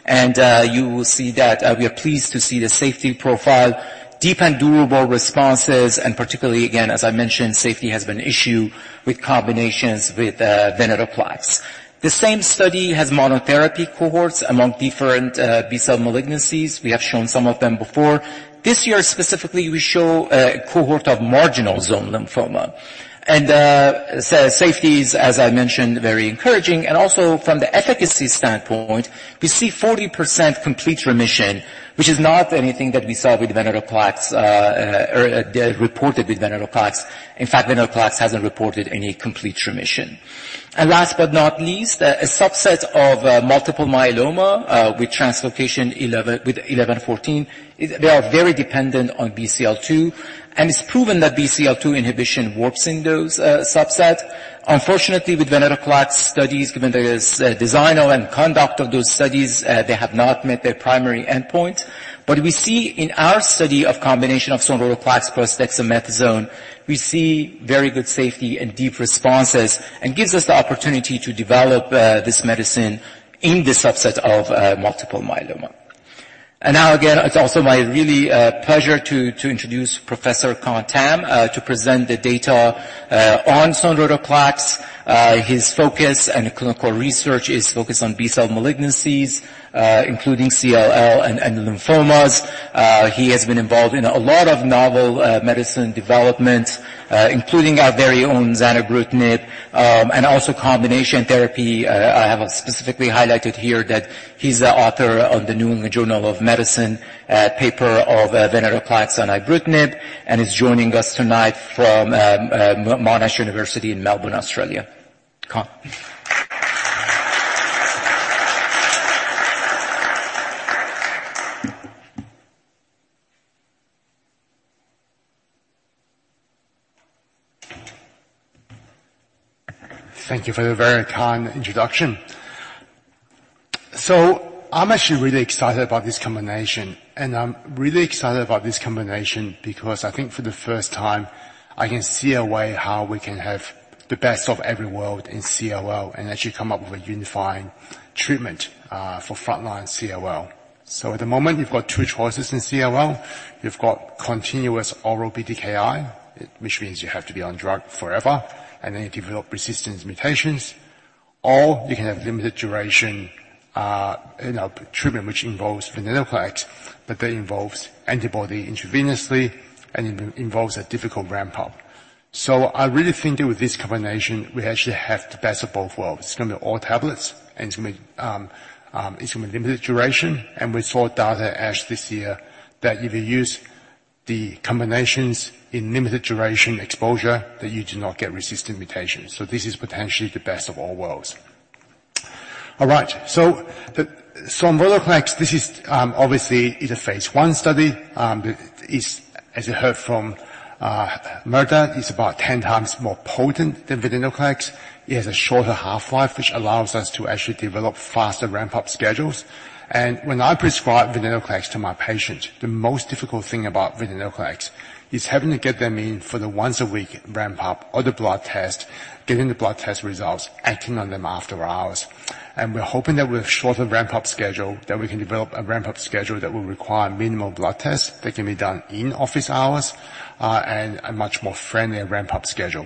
treatment-naive. You will see that we are pleased to see the safety profile, deep and durable responses, and particularly, again, as I mentioned, safety has been an issue with combinations with venetoclax. The same study has monotherapy cohorts among different B-cell malignancies. We have shown some of them before. This year, specifically, we show a cohort of marginal zone lymphoma. Safety is, as I mentioned, very encouraging, and also from the efficacy standpoint, we see 40% complete remission, which is not anything that we saw with venetoclax or reported with venetoclax. In fact, venetoclax hasn't reported any complete remission. And last but not least, a subset of multiple myeloma with translocation 11;14. They are very dependent on BCL-2, and it's proven that BCL-2 inhibition works in those subset. Unfortunately, with venetoclax studies, given the design and conduct of those studies, they have not met their primary endpoint. But we see in our study of combination of sonrotoclax plus dexamethasone, we see very good safety and deep responses and gives us the opportunity to develop this medicine in the subset of multiple myeloma. And now, again, it's also my really pleasure to introduce Professor Con Tam to present the data on sonrotoclax. His focus and clinical research is focused on B-cell malignancies, including CLL and lymphomas. He has been involved in a lot of novel medicine development, including our very own zanubrutinib, and also combination therapy. I have specifically highlighted here that he's the author of the New England Journal of Medicine paper of venetoclax and ibrutinib, and he's joining us tonight from Monash University in Melbourne, Australia. Kon? Thank you for the very kind introduction. So I'm actually really excited about this combination, and I'm really excited about this combination because I think for the first time, I can see a way how we can have the best of every world in CLL and actually come up with a unifying treatment for frontline CLL. So at the moment, you've got two choices in CLL. You've got continuous oral BTKI, which means you have to be on drug forever, and then you develop resistance mutations, or you can have limited duration, you know, treatment, which involves venetoclax, but that involves antibody intravenously and involves a difficult ramp-up. So I really think that with this combination, we actually have the best of both worlds. It's gonna be all tablets, and it's gonna be, it's gonna be limited duration. We saw data this year, that if you use the combinations in limited duration exposure, that you do not get resistant mutations. So this is potentially the best of all worlds. All right, so the sonrotoclax, this is, obviously, it's a phase I study. It's, as you heard from, Mehrdad, it's about 10x more potent than venetoclax. It has a shorter half-life, which allows us to actually develop faster ramp-up schedules. And when I prescribe venetoclax to my patients, the most difficult thing about venetoclax is having to get them in for the once-a-week ramp-up or the blood test, getting the blood test results, acting on them after hours. And we're hoping that with a shorter ramp-up schedule, that we can develop a ramp-up schedule that will require minimal blood tests, that can be done in office hours, and a much more friendlier ramp-up schedule.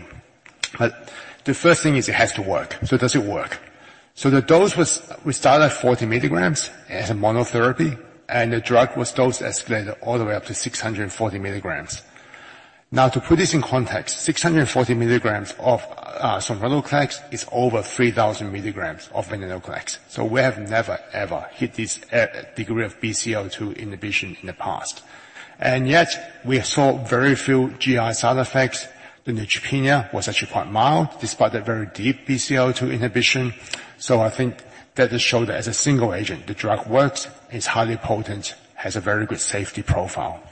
But the first thing is it has to work. So does it work? So the dose was, we started at 40 milligrams as a monotherapy, and the drug was dose escalated all the way up to 640 milligrams. Now, to put this in context, 640 milligrams of sonrotoclax is over 3,000 milligrams of venetoclax. So we have never, ever hit this degree of BCL-2 inhibition in the past. And yet we saw very few GI side effects. The neutropenia was actually quite mild, despite the very deep BCL-2 inhibition. So I think that has showed that as a single agent, the drug works, is highly potent, has a very good safety profile.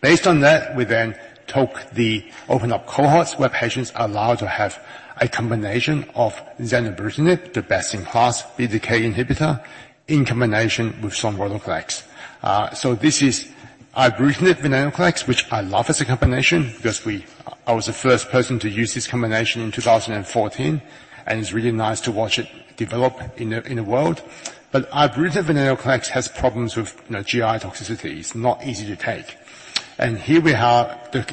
Based on that, we then took the open-up cohorts, where patients are allowed to have a combination of zanubrutinib, the best-in-class BTK inhibitor, in combination with sonrotoclax. So this is ibrutinib venetoclax, which I love as a combination because we, I was the first person to use this combination in 2014, and it's really nice to watch it develop in a world. But ibrutinib venetoclax has problems with, you know, GI toxicities, it's not easy to take. And here we have the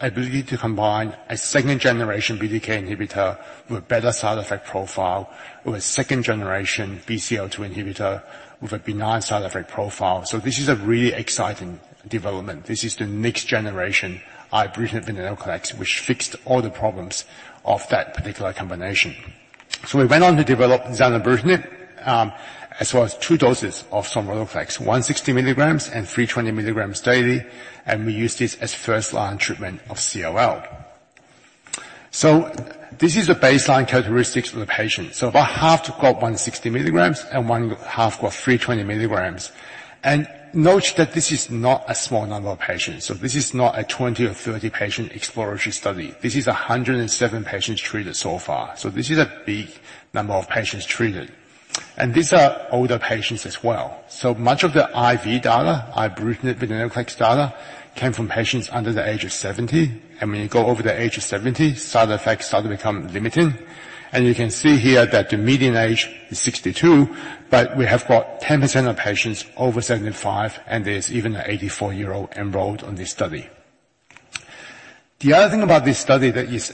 ability to combine a second-generation BTK inhibitor with a better side effect profile, with a second-generation BCL-2 inhibitor, with a benign side effect profile. So this is a really exciting development. This is the next generation ibrutinib venetoclax, which fixed all the problems of that particular combination. So we went on to develop zanubrutinib, as well as two doses of sonrotoclax, 160 milligrams and 320 milligrams daily, and we used this as first-line treatment of CLL. So this is the baseline characteristics of the patient. So about half got 160 milligrams, and one half got 320 milligrams. And note that this is not a small number of patients. So this is not a 20, or 30-patient exploratory study. This is 107 patients treated so far. So this is a big number of patients treated. And these are older patients as well. So much of the IV data, ibrutinib venetoclax data, came from patients under the age of 70, and when you go over the age of 70, side effects start to become limiting. You can see here that the median age is 62, but we have got 10% of patients over 75, and there's even an 84-year-old enrolled on this study. The other thing about this study that is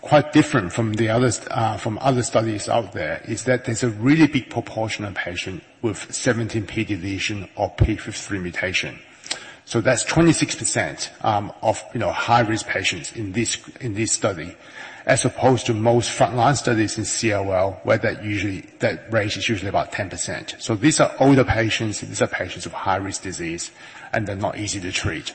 quite different from the others, from other studies out there, is that there's a really big proportion of patients with 17p deletion or p53 mutation. So that's 26%, you know, of high-risk patients in this, in this study, as opposed to most front-line studies in CLL, where that range is usually about 10%. So these are older patients, these are patients with high-risk disease, and they're not easy to treat.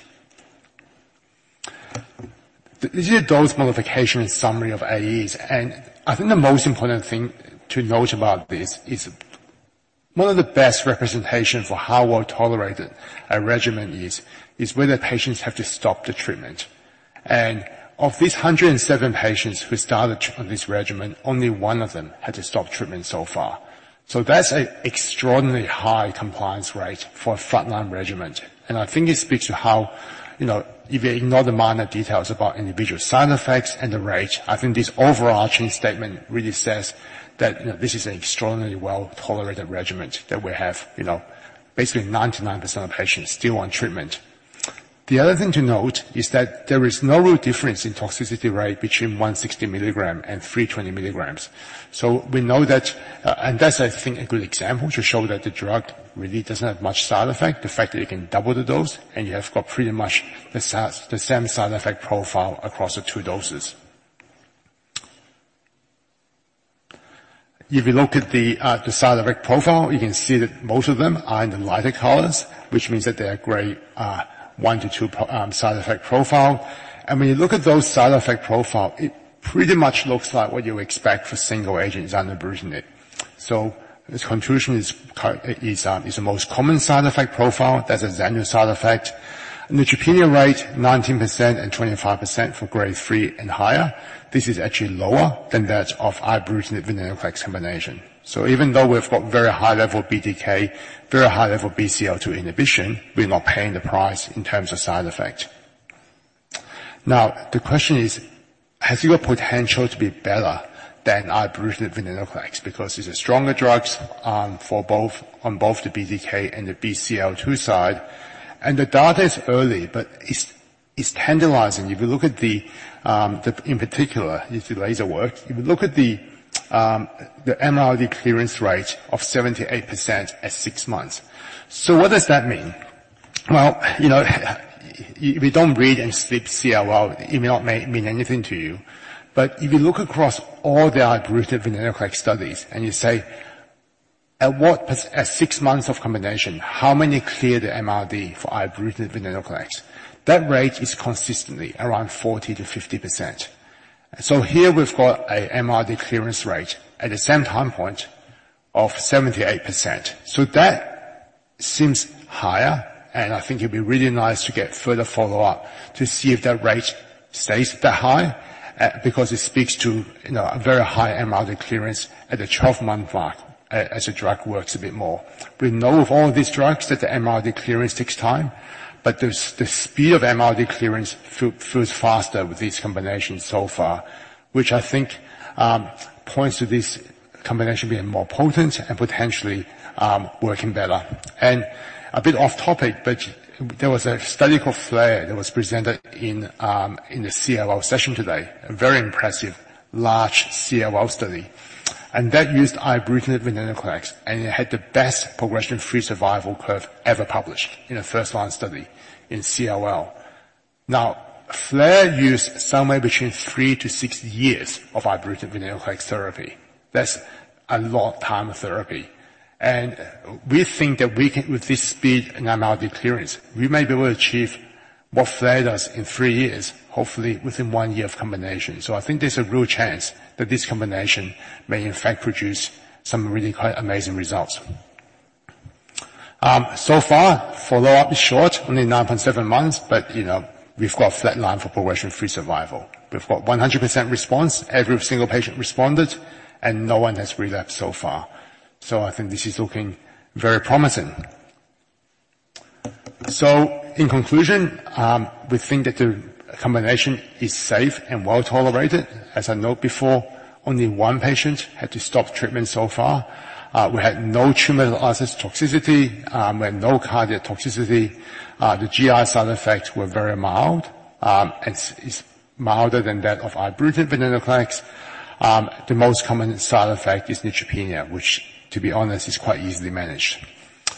These are dose modification and summary of AEs, and I think the most important thing to note about this is one of the best representation for how well tolerated a regimen is, is whether patients have to stop the treatment. And of these 107 patients who started on this regimen, only one of them had to stop treatment so far. So that's an extraordinarily high compliance rate for a front-line regimen. And I think it speaks to how, you know, if you ignore the minor details about individual side effects and the rate, I think this overarching statement really says that, you know, this is an extraordinarily well-tolerated regimen that we have. You know, basically, 99% of patients still on treatment. The other thing to note is that there is no real difference in toxicity rate between 160 milligrams and 320 milligrams. So we know that, and that's, I think, a good example to show that the drug really doesn't have much side effect. The fact that you can double the dose, and you have got pretty much the same side effect profile across the two doses. If you look at the side effect profile, you can see that most of them are in the lighter colors, which means that they are grade 1-2 side effect profile. And when you look at those side effect profile, it pretty much looks like what you expect for single-agent zanubrutinib. So this conclusion is the most common side effect profile. That's a standard side effect. Neutropenia rate, 19% and 25% for grade 3 and higher. This is actually lower than that of ibrutinib venetoclax combination. So even though we've got very high level BTK, very high level BCL-2 inhibition, we're not paying the price in terms of side effect. Now, the question is, has it got potential to be better than ibrutinib venetoclax? Because these are stronger drugs for both, on both the BTK and the BCL-2 side, and the data is early, but it's tantalizing. If you look at the in particular, if the latter worked, if you look at the MRD clearance rate of 78% at six months. So what does that mean? Well, you know, if you don't treat CLL, it may not mean anything to you, but if you look across all the ibrutinib venetoclax studies and you say, "At six months of combination, how many cleared MRD for ibrutinib venetoclax?" That rate is consistently around 40%-50%. So here we've got a MRD clearance rate at the same time point of 78%. So that seems higher, and I think it'd be really nice to get further follow-up to see if that rate stays that high, because it speaks to, you know, a very high MRD clearance at the 12-month mark as the drug works a bit more. We know with all of these drugs that the MRD clearance takes time, but the speed of MRD clearance feels faster with these combinations so far, which I think points to this combination being more potent and potentially working better. A bit off-topic, but there was a study called FLAIR that was presented in the CLL session today, a very impressive, large CLL study, and that used ibrutinib venetoclax, and it had the best progression-free survival curve ever published in a first-line study in CLL. Now, FLAIR used somewhere between three to six years of ibrutinib venetoclax therapy. That's a lot of time of therapy, and we think that we can with this speed and MRD clearance, we may be able to achieve what FLAIR does in three years, hopefully within one year of combination. So I think there's a real chance that this combination may in fact produce some really quite amazing results. So far, follow-up is short, only 9.7 months, but, you know, we've got a flat line for progression-free survival. We've got 100% response. Every single patient responded, and no one has relapsed so far. So I think this is looking very promising. So in conclusion, we think that the combination is safe and well tolerated. As I note before, only one patient had to stop treatment so far. We had no treatment-related toxicity, and no cardiac toxicity. The GI side effects were very mild, and it's milder than that of ibrutinib venetoclax. The most common side effect is neutropenia, which, to be honest, is quite easily managed.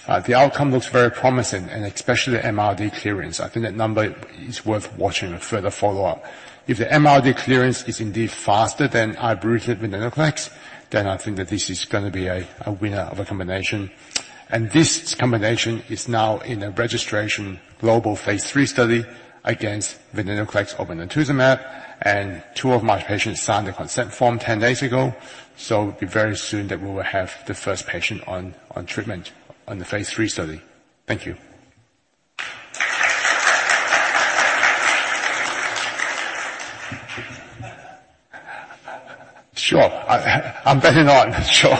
The outcome looks very promising and especially the MRD clearance. I think that number is worth watching with further follow-up. If the MRD clearance is indeed faster than ibrutinib venetoclax, then I think that this is gonna be a winner of a combination. And this combination is now in a registration global phase III study against venetoclax obinutuzumab, and two of my patients signed the consent form 10 days ago, so it'll be very soon that we will have the first patient on treatment on the phase III study. Thank you. Sure, I better not. Sure.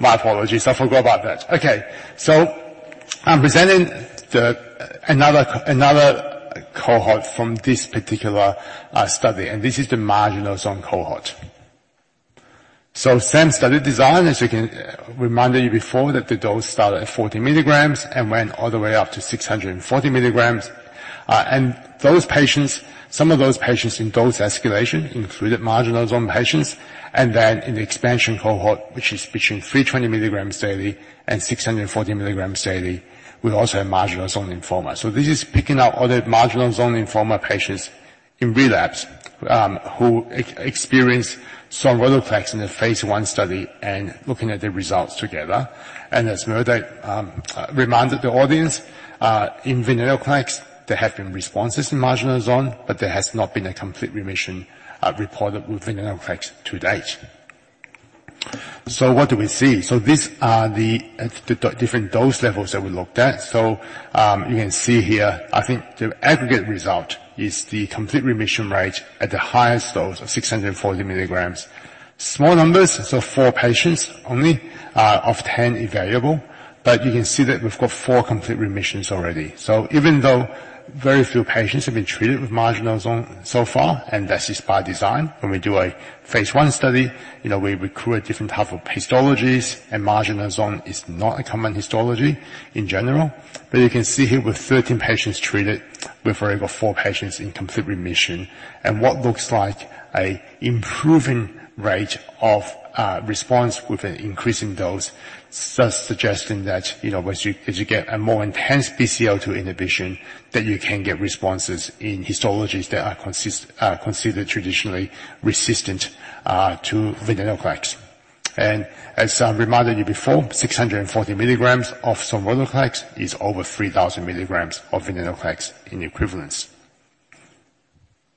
My apologies, I forgot about that. Okay, so I'm presenting another cohort from this particular study, and this is the marginal zone cohort. So same study design, as you can - reminded you before, that the dose started at 40 milligrams and went all the way up to 640 milligrams. And those patients, some of those patients in dose escalation included marginal zone patients, and then in the expansion cohort, which is between 320 milligrams daily and 640 milligrams daily, we also have marginal zone lymphoma. So this is picking out all the marginal zone lymphoma patients in relapse, who experienced sonrotoclax in the phase I study and looking at the results together. And as Mehrdad reminded the audience, in venetoclax, there have been responses in marginal zone, but there has not been a complete remission reported with venetoclax to date. So what do we see? So these are the different dose levels that we looked at. So, you can see here, I think the aggregate result is the complete remission rate at the highest dose of 640 milligrams. Small numbers, so four patients only of 10 evaluable, but you can see that we've got four complete remissions already. So even though very few patients have been treated with marginal zone so far, and that's just by design, when we do a phase I study, you know, we recruit different type of histologies, and marginal zone is not a common histology in general. But you can see here, with 13 patients treated, we've already got four patients in complete remission, and what looks like a improving rate of response with an increase in dose. So suggesting that, you know, once as you get a more intense BCL-2 inhibition, that you can get responses in histologies that are considered traditionally resistant to venetoclax. As I reminded you before, 640 milligrams of sonrotoclax is over 3,000 milligrams of venetoclax in equivalence.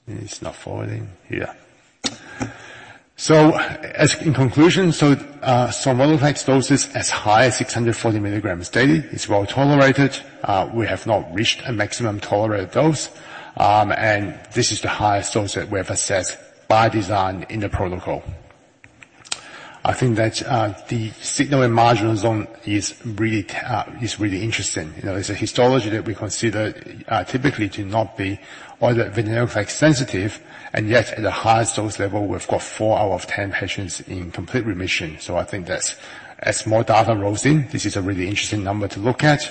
It's not forwarding. Yeah. So as in conclusion, sonrotoclax doses as high as 640 milligrams daily is well-tolerated. We have not reached a maximum tolerated dose, and this is the highest dose that we have assessed by design in the protocol. I think that the signal in marginal zone is really interesting. You know, it's a histology that we consider typically to not be all that venetoclax sensitive, and yet at the highest dose level, we've got 4/10 patients in complete remission. So I think that's, as more data rolls in, this is a really interesting number to look at.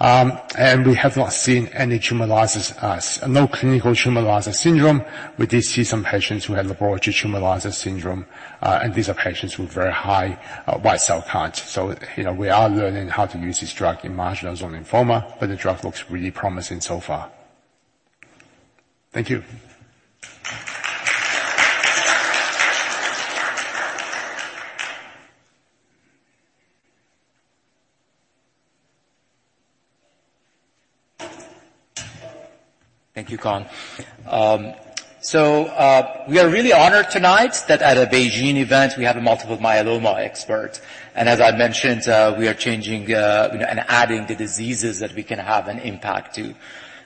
And we have not seen any hemolysis as... No clinical hemolysis syndrome. We did see some patients who had laboratory hemolysis syndrome, and these are patients with very high white cell count. So, you know, we are learning how to use this drug in marginal zone lymphoma, but the drug looks really promising so far. Thank you. Thank you, Con. So, we are really honored tonight that at a Beijing event, we have a multiple myeloma expert. And as I mentioned, we are changing, you know, and adding the diseases that we can have an impact to.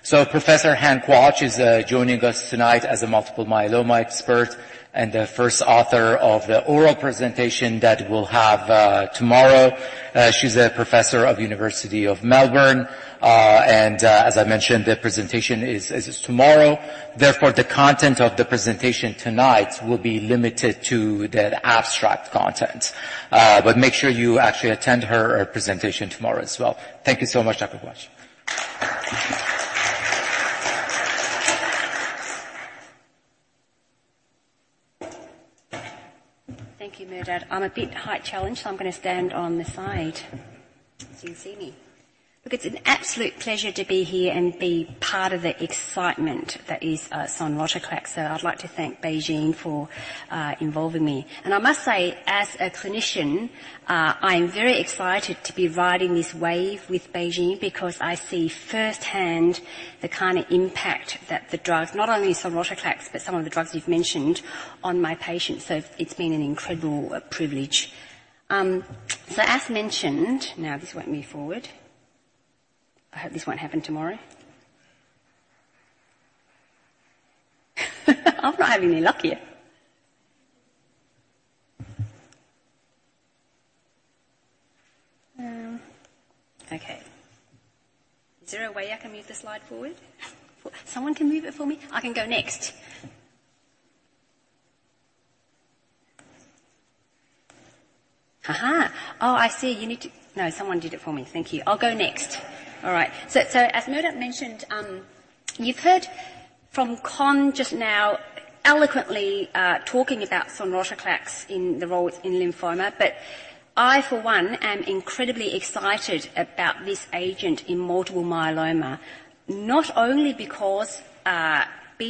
So Professor Hang Quach is joining us tonight as a multiple myeloma expert and the first author of the oral presentation that we'll have tomorrow. She's a professor of University of Melbourne, and, as I mentioned, the presentation is tomorrow. Therefore, the content of the presentation tonight will be limited to the abstract content. But make sure you actually attend her presentation tomorrow as well. Thank you so much, Dr. Quach. Thank you, Mehrdad. I'm a bit height-challenged, so I'm gonna stand on the side, so you see me. Look, it's an absolute pleasure to be here and be part of the excitement that is sonrotoclax, so I'd like to thank BeiGene for involving me. And I must say, as a clinician, I am very excited to be riding this wave with BeiGene because I see firsthand the kind of impact that the drugs, not only sonrotoclax, but some of the drugs you've mentioned, on my patients. So it's been an incredible privilege. So as mentioned... Now, this won't move forward. I hope this won't happen tomorrow. I'm not having any luck here. Okay. Is there a way I can move the slide forward? Someone can move it for me? I can go next. Aha! Oh, I see, you need to... No, someone did it for me. Thank you. I'll go next. All right. So as Mehrdad mentioned, you've heard from Kon just now eloquently talking about sonrotoclax in the role in lymphoma, but I, for one, am incredibly excited about this agent in multiple myeloma. Not only because BCL-2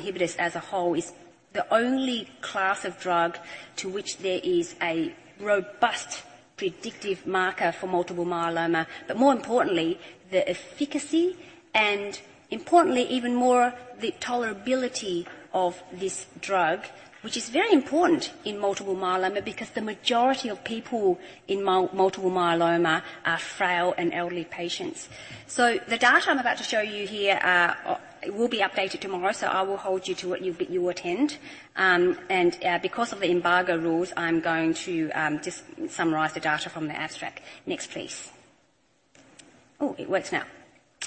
inhibitors as a whole is the only class of drug to which there is a robust predictive marker for multiple myeloma, but more importantly, the efficacy and importantly even more, the tolerability of this drug, which is very important in multiple myeloma because the majority of people in multiple myeloma are frail and elderly patients. So the data I'm about to show you here will be updated tomorrow, so I will hold you to what you attend. Because of the embargo rules, I'm going to just summarize the data from the abstract. Next, please. Oh, it works now.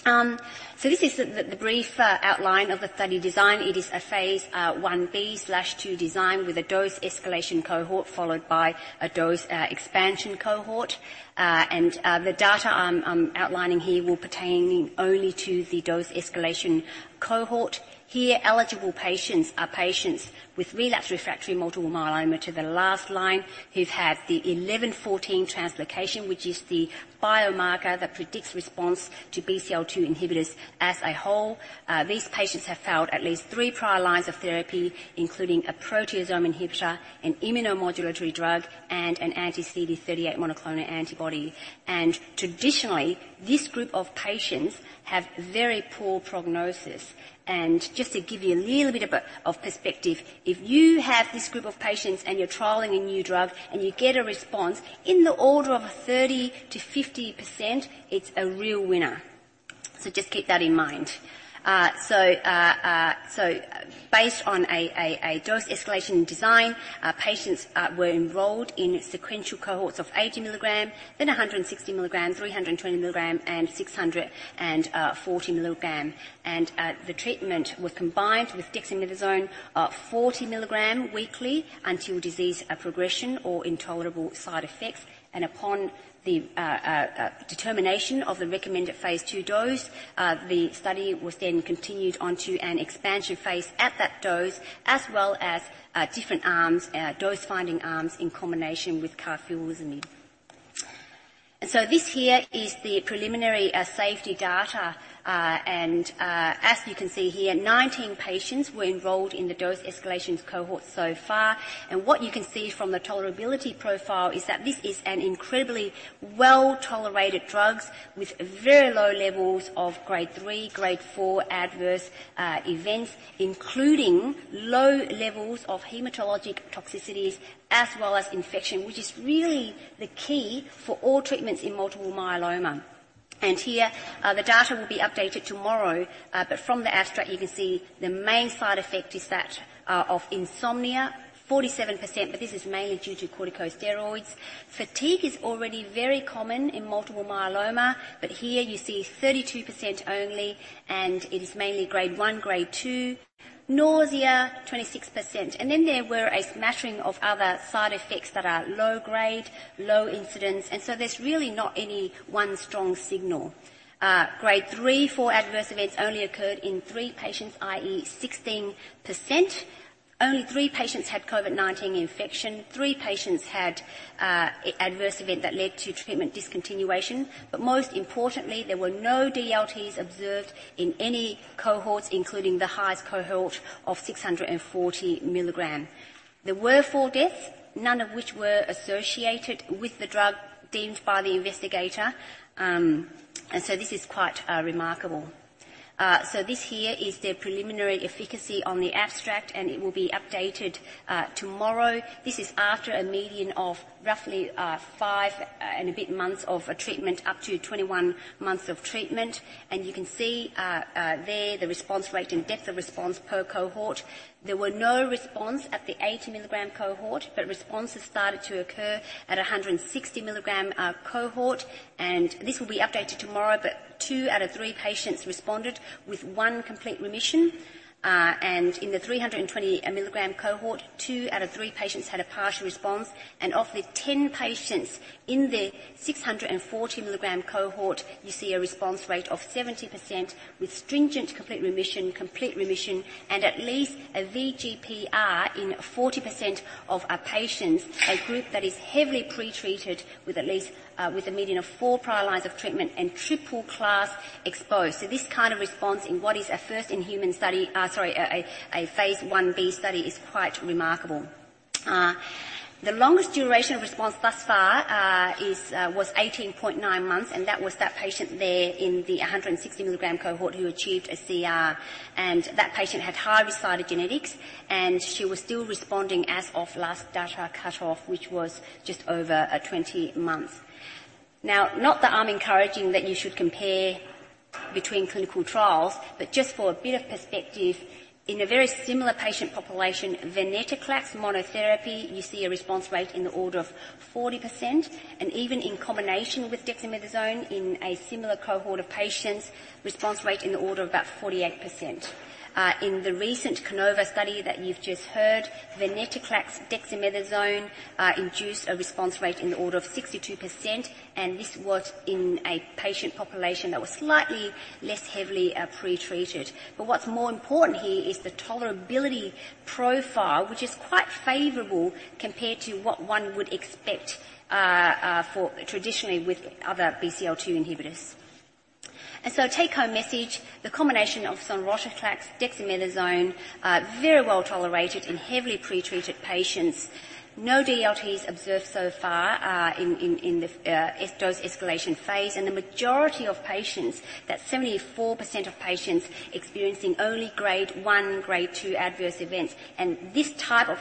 So this is the brief outline of the study design. It is a phase Ib/II design with a dose escalation cohort, followed by a dose expansion cohort. The data I'm outlining here will pertaining only to the dose escalation cohort. Here, eligible patients are patients with relapsed refractory multiple myeloma to the last line, who've had the 11-14 translocation, which is the biomarker that predicts response to BCL-2 inhibitors as a whole. These patients have failed at least three prior lines of therapy, including a proteasome inhibitor, an immunomodulatory drug, and an anti-CD38 monoclonal antibody. Traditionally, this group of patients have very poor prognosis. And just to give you a little bit of perspective, if you have this group of patients and you're trialing a new drug and you get a response in the order of 30%-50%, it's a real winner. So just keep that in mind. So based on a dose-escalation design, patients were enrolled in sequential cohorts of 80 mg, then 160 mg, 320 mg, and 640 mg. The treatment was combined with dexamethasone 40 mg weekly until disease progression or intolerable side effects. Upon the determination of the recommended phase II dose, the study was then continued onto an expansion phase at that dose, as well as different arms, dose-finding arms in combination with carfilzomib. So this here is the preliminary safety data. As you can see here, 19 patients were enrolled in the dose escalations cohort so far. What you can see from the tolerability profile is that this is an incredibly well-tolerated drugs with very low levels of Grade 3, Grade 4 adverse events, including low levels of hematologic toxicities as well as infection, which is really the key for all treatments in multiple myeloma. Here, the data will be updated tomorrow, but from the abstract, you can see the main side effect is that of insomnia, 47%, but this is mainly due to corticosteroids. Fatigue is already very common in multiple myeloma, but here you see 32% only, and it is mainly Grade 1, Grade 2. Nausea, 26%. Then there were a smattering of other side effects that are low grade, low incidence, and so there's really not any one strong signal. Grade 3, 4 adverse events only occurred in three patients, i.e., 16%. Only three patients had COVID-19 infection. three patients had a adverse event that led to treatment discontinuation. But most importantly, there were no DLTs observed in any cohorts, including the highest cohort of 640 milligram. There were four deaths, none of which were associated with the drug deemed by the investigator. And so this is quite remarkable. So this here is the preliminary efficacy on the abstract, and it will be updated tomorrow. This is after a median of roughly five and a bit months of treatment, up to 21 months of treatment. And you can see, there, the response rate and depth of response per cohort. There were no response at the 80 mg cohort, but responses started to occur at a 160 mg cohort. And this will be 2/3 patients patients responded with 1 complete remission. And in the 2/3 patients patients had a partial response, and of the 10 patients in the 640 mg cohort, you see a response rate of 70% with stringent complete remission, complete remission, and at least a VGPR in 40% of our patients, a group that is heavily pretreated with at least, with a median of 4 prior lines of treatment and triple class exposed. So this kind of response in what is a first in human study... A phase Ib study is quite remarkable. The longest duration of response thus far is 18.9 months, and that was that patient there in the 160 milligram cohort who achieved a CR, and that patient had high-risk cytogenetics, and she was still responding as of last data cutoff, which was just over 20 months. Now, not that I'm encouraging that you should compare between clinical trials, but just for a bit of perspective, in a very similar patient population, venetoclax monotherapy, you see a response rate in the order of 40%, and even in combination with dexamethasone in a similar cohort of patients, response rate in the order of about 48%. In the recent CANOVA study that you've just heard, venetoclax dexamethasone induced a response rate in the order of 62%, and this was in a patient population that was slightly less heavily pretreated. But what's more important here is the tolerability profile, which is quite favorable compared to what one would expect for traditionally with other BCL-2 inhibitors. So take-home message, the combination of sonrotoclax, dexamethasone very well tolerated in heavily pretreated patients. No DLTs observed so far in the dose escalation phase, and the majority of patients, that's 74% of patients, experiencing only Grade 1, Grade 2 adverse events. And this type of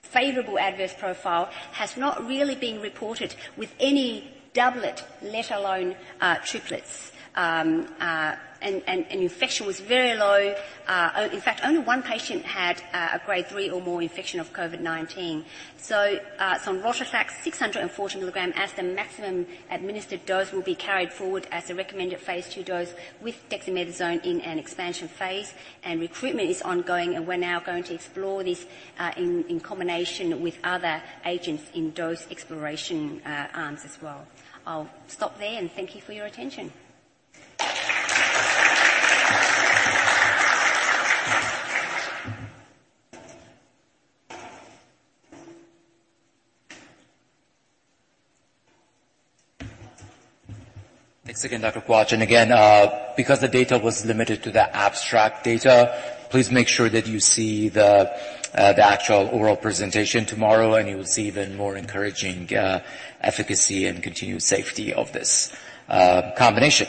favorable adverse profile has not really been reported with any doublet, let alone triplet, and infection was very low. In fact, only one patient had a grade 3 or more infection of COVID-19. So, sonrotoclax 640 milligrams as the maximum administered dose will be carried forward as a recommended phase II dose with dexamethasone in an expansion phase, and recruitment is ongoing, and we're now going to explore this in combination with other agents in dose exploration arms as well. I'll stop there, and thank you for your attention. Thanks again, Dr. Quach. And again, because the data was limited to the abstract data, please make sure that you see the actual oral presentation tomorrow, and you will see even more encouraging efficacy and continued safety of this combination.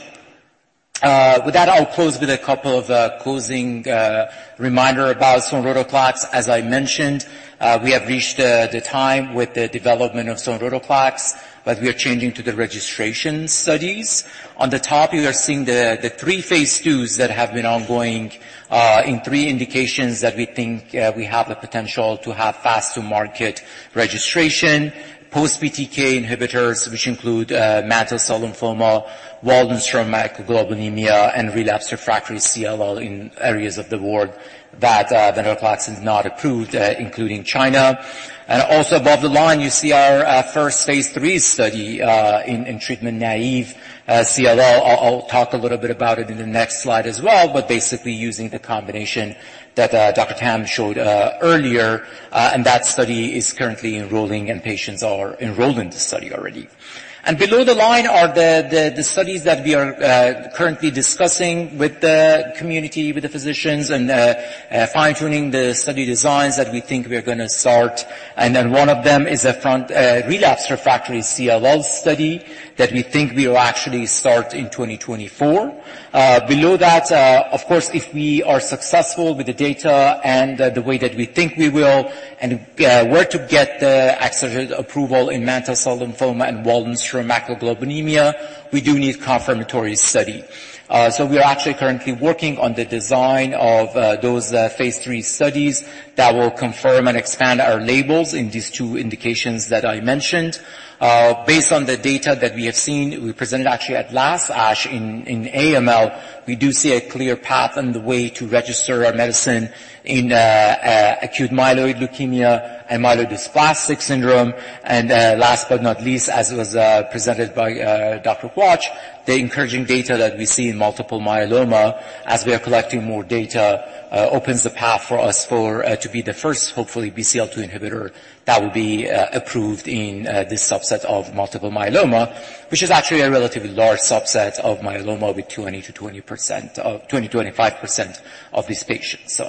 With that, I'll close with a couple of closing reminder about sonrotoclax. As I mentioned, we have reached the time with the development of sonrotoclax, but we are changing to the registration studies. On the top, you are seeing the three phase IIs that have been ongoing in three indications that we think we have the potential to have fast-to-market registration. Post BTK inhibitors, which include mantle cell lymphoma, Waldenström macroglobulinemia, and relapsed refractory CLL in areas of the world that the venetoclax is not approved, including China. Also above the line, you see our first phase III study in treatment-naive CLL. I'll talk a little bit about it in the next slide as well, but basically using the combination that Dr. Tam showed earlier, and that study is currently enrolling, and patients are enrolled in the study already. Below the line are the studies that we are currently discussing with the community, with the physicians and fine-tuning the study designs that we think we are gonna start. Then one of them is a frontline relapsed refractory CLL study that we think we will actually start in 2024. Below that, of course, if we are successful with the data and the way that we think we will, and were to get the accelerated approval in mantle cell lymphoma and Waldenström macroglobulinemia, we do need confirmatory study. So we are actually currently working on the design of those phase III studies that will confirm and expand our labels in these two indications that I mentioned. Based on the data that we have seen, we presented actually at last ASH in AML, we do see a clear path on the way to register our medicine in acute myeloid leukemia and myelodysplastic syndrome. Last but not least, as it was presented by Dr. Quach, the encouraging data that we see in multiple myeloma as we are collecting more data opens the path for us for to be the first, hopefully, BCL-2 inhibitor that will be approved in this subset of multiple myeloma, which is actually a relatively large subset of myeloma, with 20%-25% of these patients, so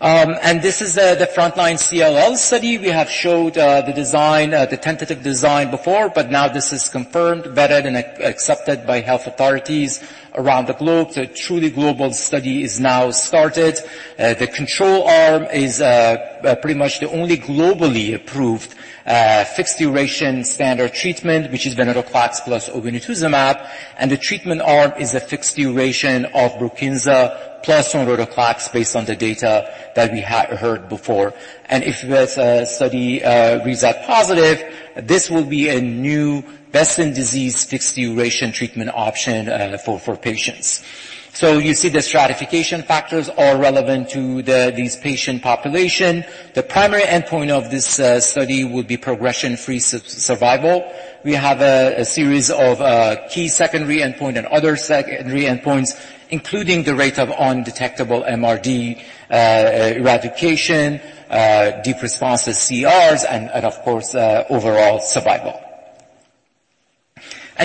population. This is the frontline CLL study. We have showed the design, the tentative design before, but now this is confirmed, vetted, and accepted by health authorities around the globe. The truly global study is now started. The control arm is pretty much the only globally approved fixed duration standard treatment, which is venetoclax plus obinutuzumab, and the treatment arm is a fixed duration of Brukinsa plus sonrotoclax, based on the data that we heard before. And if this study reads out positive, this will be a new best-in-disease, fixed-duration treatment option for patients. So you see the stratification factors are relevant to these patient population. The primary endpoint of this study would be progression-free survival. We have a series of key secondary endpoint and other secondary endpoints, including the rate of undetectable MRD eradication, deep responses, CRs, and of course, overall survival.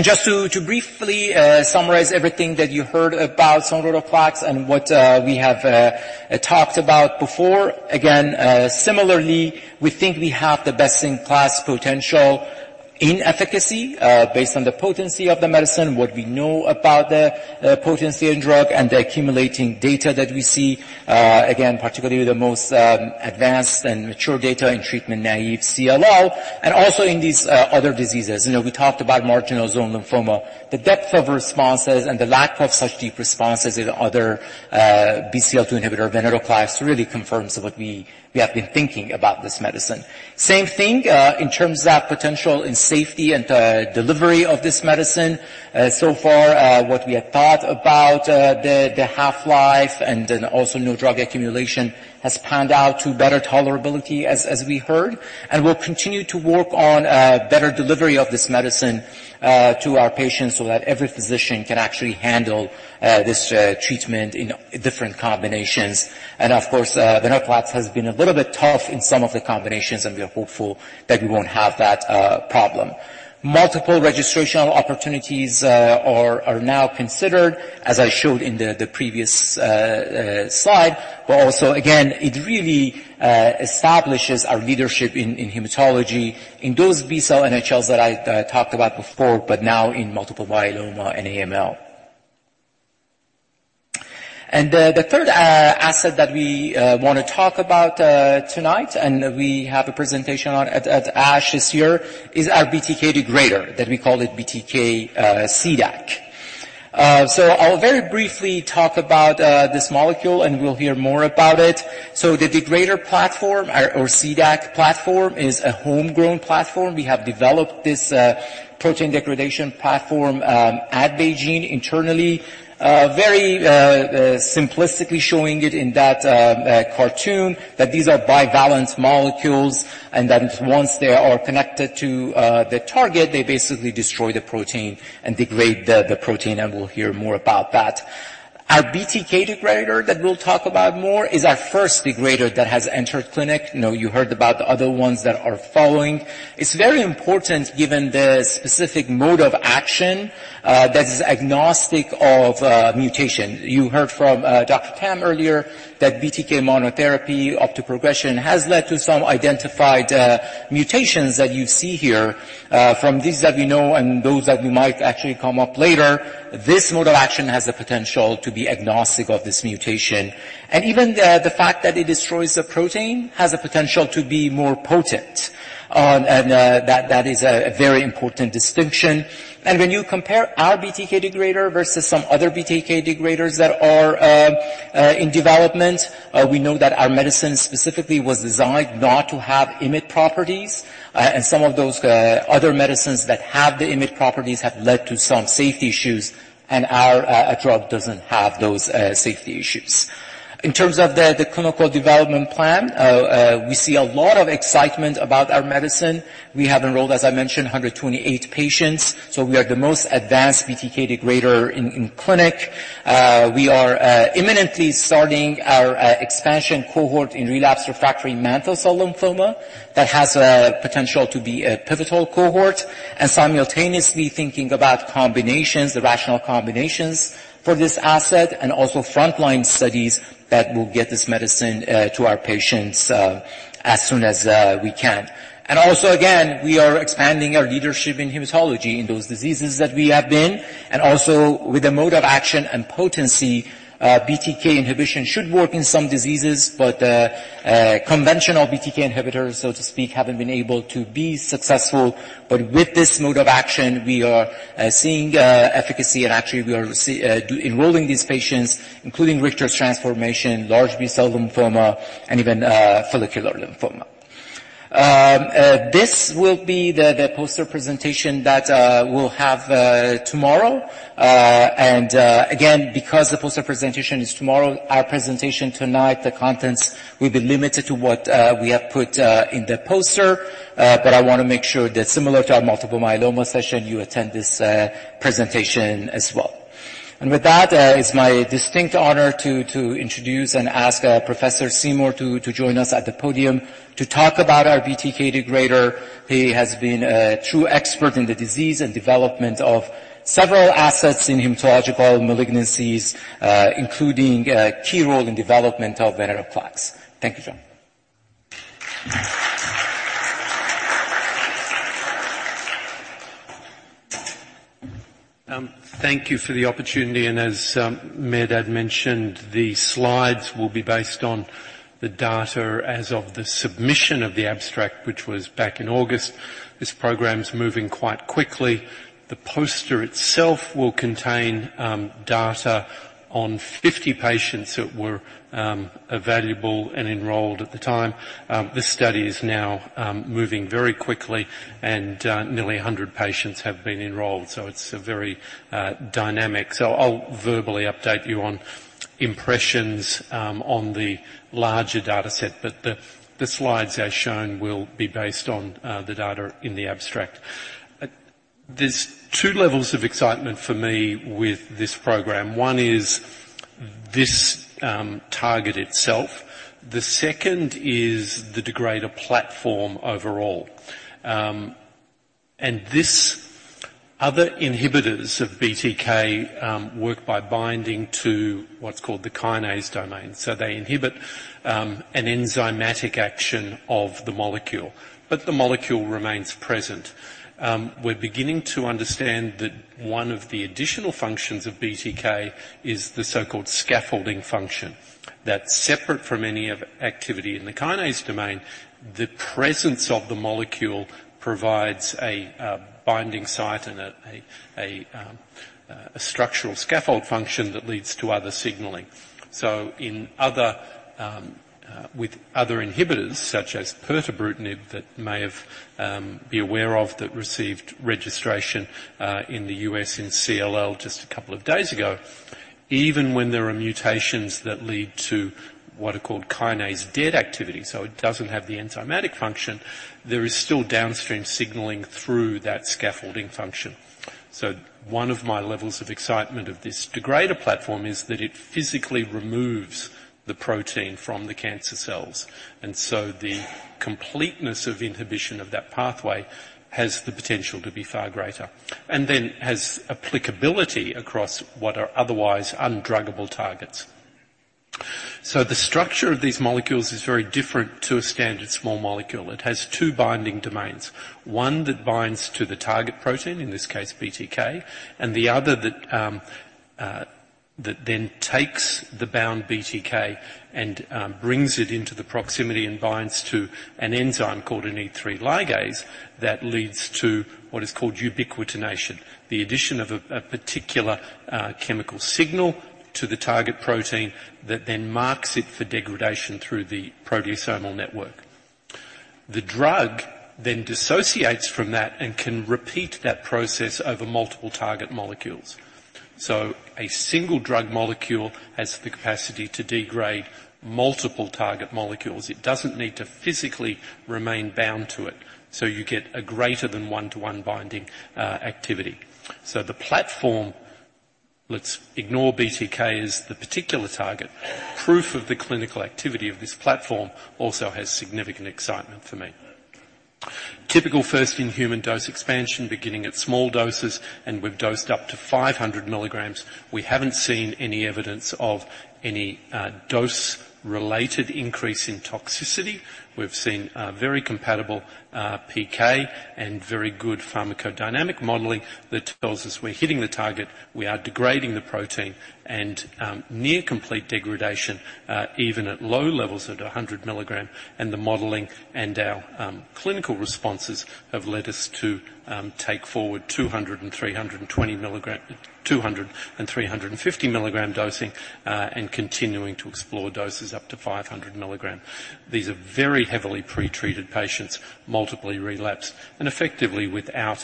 Just to briefly summarize everything that you heard about sonrotoclax and what we have talked about before, again, similarly, we think we have the best-in-class potential in efficacy, based on the potency of the medicine, what we know about the potency and drug, and the accumulating data that we see. Again, particularly the most advanced and mature data in treatment-naive CLL and also in these other diseases. You know, we talked about marginal zone lymphoma. The depth of responses and the lack of such deep responses in other BCL-2 inhibitor, venetoclax, really confirms what we have been thinking about this medicine. Same thing in terms of potential in safety and delivery of this medicine. So far, what we had thought about, the half-life and then also no drug accumulation has panned out to better tolerability, as we heard. We'll continue to work on better delivery of this medicine to our patients so that every physician can actually handle this treatment in different combinations. Of course, venetoclax has been a little bit tough in some of the combinations, and we are hopeful that we won't have that problem. Multiple registrational opportunities are now considered, as I showed in the previous slide. But also, again, it really establishes our leadership in hematology, in those B-cell NHLs that I talked about before, but now in multiple myeloma and AML. And, the third, asset that we want to talk about, tonight, and we have a presentation on at ASH this year, is our BTK degrader, that we call it BTK CDAC. So I'll very briefly talk about this molecule, and we'll hear more about it. So the degrader platform, or CDAC platform, is a homegrown platform. We have developed this protein degradation platform at Beijing internally. Very simplistically showing it in that cartoon, that these are bivalent molecules, and that once they are connected to the target, they basically destroy the protein and degrade the protein, and we'll hear more about that. Our BTK degrader that we'll talk about more is our first degrader that has entered clinic. You know, you heard about the other ones that are following. It's very important, given the specific mode of action, that is agnostic of, mutation. You heard from, Dr. Tam earlier that BTK monotherapy up to progression has led to some identified, mutations that you see here. From these that we know and those that we might actually come up later, this mode of action has the potential to be agnostic of this mutation. And even the fact that it destroys the protein has the potential to be more potent, and that is a very important distinction. And when you compare our BTK degrader versus some other BTK degraders that are, in development, we know that our medicine specifically was designed not to have IMiD properties. And some of those other medicines that have the IMiD properties have led to some safety issues, and our drug doesn't have those safety issues. In terms of the clinical development plan, we see a lot of excitement about our medicine. We have enrolled, as I mentioned, 128 patients, so we are the most advanced BTK degrader in clinic. We are imminently starting our expansion cohort in relapsed refractory mantle cell lymphoma that has a potential to be a pivotal cohort and simultaneously thinking about combinations, the rational combinations for this asset and also frontline studies that will get this medicine to our patients as soon as we can. And also, again, we are expanding our leadership in hematology in those diseases that we have been, and also with the mode of action and potency, BTK inhibition should work in some diseases, but conventional BTK inhibitors, so to speak, haven't been able to be successful. But with this mode of action, we are seeing efficacy, and actually, we are enrolling these patients, including Richter's transformation, large B-cell lymphoma, and even follicular lymphoma. This will be the poster presentation that we'll have tomorrow. And again, because the poster presentation is tomorrow, our presentation tonight, the contents will be limited to what we have put in the poster. But I want to make sure that similar to our multiple myeloma session, you attend this presentation as well. And with that, it's my distinct honor to introduce and ask Professor Seymour to join us at the podium to talk about our BTK degrader. He has been a true expert in the disease and development of several assets in hematological malignancies, including a key role in development of venetoclax. Thank you, John. Thank you for the opportunity, and as Mehrdad mentioned, the slides will be based on the data as of the submission of the abstract, which was back in August. This program is moving quite quickly. The poster itself will contain data on 50 patients that were evaluable and enrolled at the time. This study is now moving very quickly, and nearly 100 patients have been enrolled, so it's very dynamic. So I'll verbally update you on impressions on the larger data set, but the slides, as shown, will be based on the data in the abstract. There's two levels of excitement for me with this program. One is this target itself. The second is the degrader platform overall. And this other inhibitors of BTK work by binding to what's called the kinase domain. So they inhibit an enzymatic action of the molecule, but the molecule remains present. We're beginning to understand that one of the additional functions of BTK is the so-called scaffolding function. That's separate from any activity in the kinase domain. The presence of the molecule provides a binding site and a structural scaffold function that leads to other signaling. So with other inhibitors, such as pirtobrutinib, that we're aware of, that received registration in the U.S. and CLL just a couple of days ago. Even when there are mutations that lead to what are called kinase-dead activity, so it doesn't have the enzymatic function, there is still downstream signaling through that scaffolding function. So one of my levels of excitement of this degrader platform is that it physically removes the protein from the cancer cells, and so the completeness of inhibition of that pathway has the potential to be far greater and then has applicability across what are otherwise undruggable targets. So the structure of these molecules is very different to a standard small molecule. It has two binding domains, one that binds to the target protein, in this case, BTK, and the other that then takes the bound BTK and brings it into the proximity and binds to an enzyme called an E3 ligase. That leads to what is called ubiquitination, the addition of a particular chemical signal to the target protein that then marks it for degradation through the proteasomal network. The drug then dissociates from that and can repeat that process over multiple target molecules. So a single drug molecule has the capacity to degrade multiple target molecules. It doesn't need to physically remain bound to it, so you get a greater than one-to-one binding activity. So the platform, let's ignore BTK as the particular target, proof of the clinical activity of this platform also has significant excitement for me. Typical first-in-human dose expansion, beginning at small doses, and we've dosed up to 500 milligrams. We haven't seen any evidence of any dose-related increase in toxicity. We've seen a very compatible, PK and very good pharmacodynamic modeling that tells us we're hitting the target, we are degrading the protein, and, near complete degradation, even at low levels at 100 mg, and the modeling and our, clinical responses have led us to, take forward 200 mg and 320 mg, 200 mg and 350 mg dosing, and continuing to explore doses up to 500 mg. These are very heavily pre-treated patients, multiply relapsed and effectively without,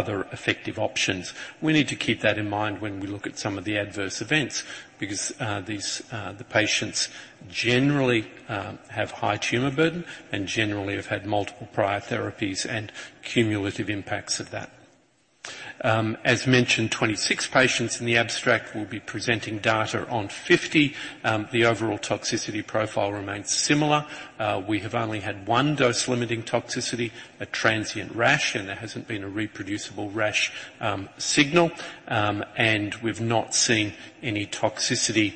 other effective options. We need to keep that in mind when we look at some of the adverse events because, these, the patients generally, have high tumor burden and generally have had multiple prior therapies and cumulative impacts of that. As mentioned, 26 patients in the abstract will be presenting data on 50. The overall toxicity profile remains similar. We have only had one dose-limiting toxicity, a transient rash, and there hasn't been a reproducible rash signal. And we've not seen any toxicity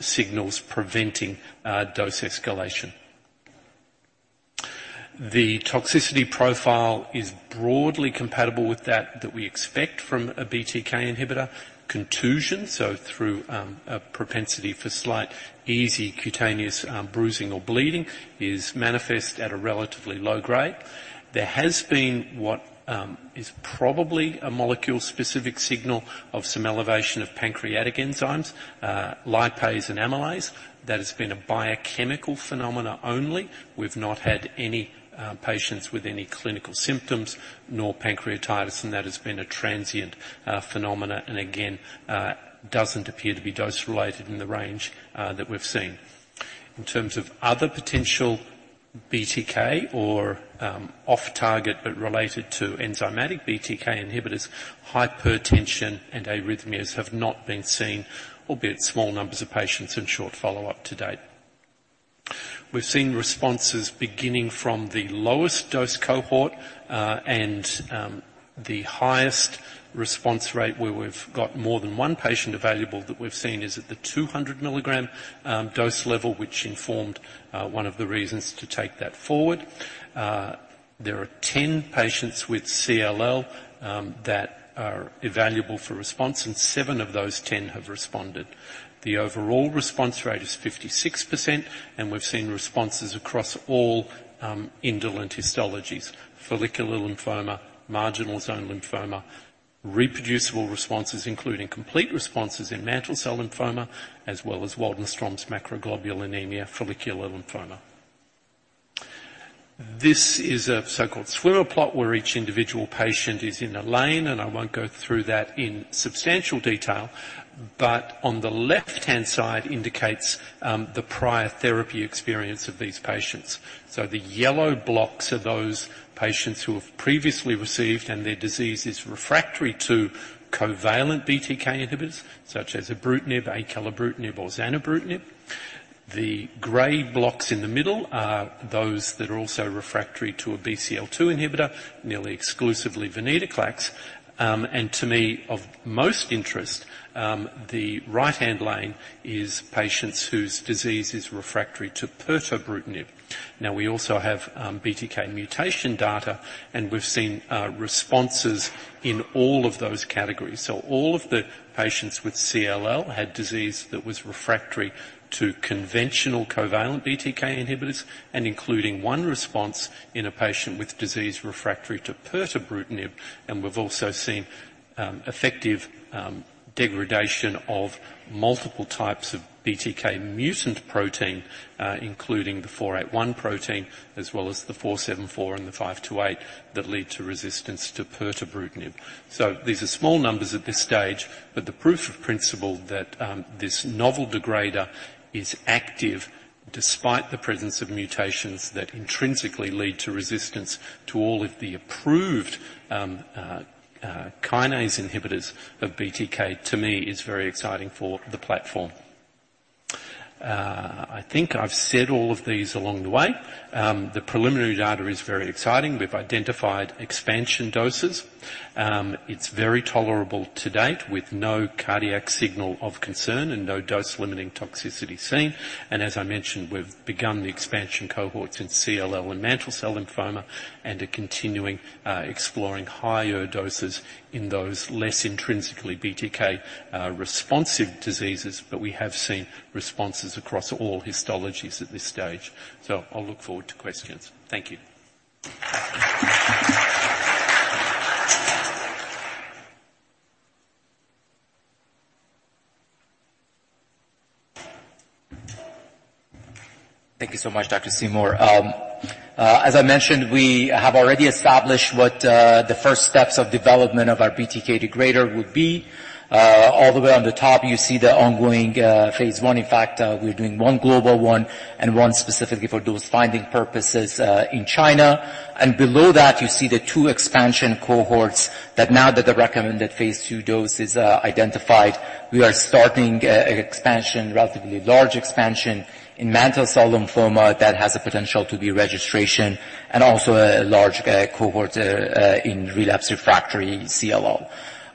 signals preventing dose escalation. The toxicity profile is broadly compatible with that we expect from a BTK inhibitor, contusion. So through a propensity for slight, easy cutaneous bruising or bleeding is manifest at a relatively low grade. There has been what is probably a molecule-specific signal of some elevation of pancreatic enzymes, lipase, and amylase. That has been a biochemical phenomenon only. We've not had any patients with any clinical symptoms nor pancreatitis, and that has been a transient phenomenon, and again, doesn't appear to be dose-related in the range that we've seen. In terms of other potential BTK or, off-target, but related to enzymatic BTK inhibitors, hypertension and arrhythmias have not been seen, albeit small numbers of patients in short follow-up to date. We've seen responses beginning from the lowest dose cohort, and, the highest response rate, where we've got more than one patient evaluable that we've seen, is at the 200 milligram, dose level, which informed, one of the reasons to take that forward. There are 10 patients with CLL, that are evaluable for response, and seven of those 10 have responded. The overall response rate is 56%, and we've seen responses across all, indolent histologies, follicular lymphoma, marginal zone lymphoma, reproducible responses, including complete responses in mantle cell lymphoma, as well as Waldenström's macroglobulinemia follicular lymphoma. This is a so-called swimmer plot, where each individual patient is in a lane, and I won't go through that in substantial detail, but on the left-hand side indicates the prior therapy experience of these patients. So the yellow blocks are those patients who have previously received and their disease is refractory to covalent BTK inhibitors, such as ibrutinib, acalabrutinib, or zanubrutinib. The gray blocks in the middle are those that are also refractory to a BCL-2 inhibitor, nearly exclusively venetoclax. And to me, of most interest, the right-hand lane is patients whose disease is refractory to pirtobrutinib. Now, we also have BTK mutation data, and we've seen responses in all of those categories. So all of the patients with CLL had disease that was refractory to conventional covalent BTK inhibitors and including one response in a patient with disease refractory to pirtobrutinib. And we've also seen effective degradation of multiple types of BTK mutant protein, including the 481 protein, as well as the 474 and the 528, that lead to resistance to pirtobrutinib. So these are small numbers at this stage, but the proof of principle that this novel degrader is active despite the presence of mutations that intrinsically lead to resistance to all of the approved kinase inhibitors of BTK, to me, is very exciting for the platform... I think I've said all of these along the way. The preliminary data is very exciting. We've identified expansion doses. It's very tolerable to date, with no cardiac signal of concern and no dose-limiting toxicity seen. As I mentioned, we've begun the expansion cohorts in CLL and mantle cell lymphoma, and are continuing, exploring higher doses in those less intrinsically BTK, responsive diseases, but we have seen responses across all histologies at this stage. I'll look forward to questions. Thank you. Thank you so much, Dr. Seymour. As I mentioned, we have already established the first steps of development of our BTK degrader would be. All the way on the top, you see the ongoing phase I. In fact, we're doing one global one and one specifically for dose-finding purposes in China. And below that, you see the two expansion cohorts that now that the recommended phase II dose is identified, we are starting a relatively large expansion in mantle cell lymphoma that has the potential to be registrational and also a large cohort in relapsed refractory CLL.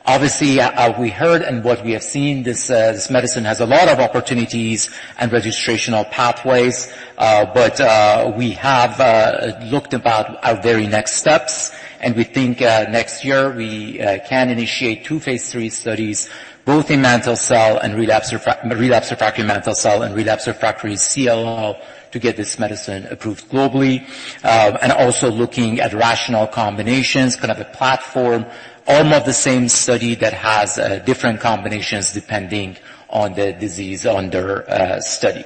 Obviously, as we heard and what we have seen, this medicine has a lot of opportunities and registrational pathways. But we have looked about our very next steps, and we think next year we can initiate two phase III studies, both in mantle cell and relapse refractory mantle cell and relapse refractory CLL, to get this medicine approved globally. And also looking at rational combinations, kind of a platform, all of the same study that has different combinations depending on the disease under study.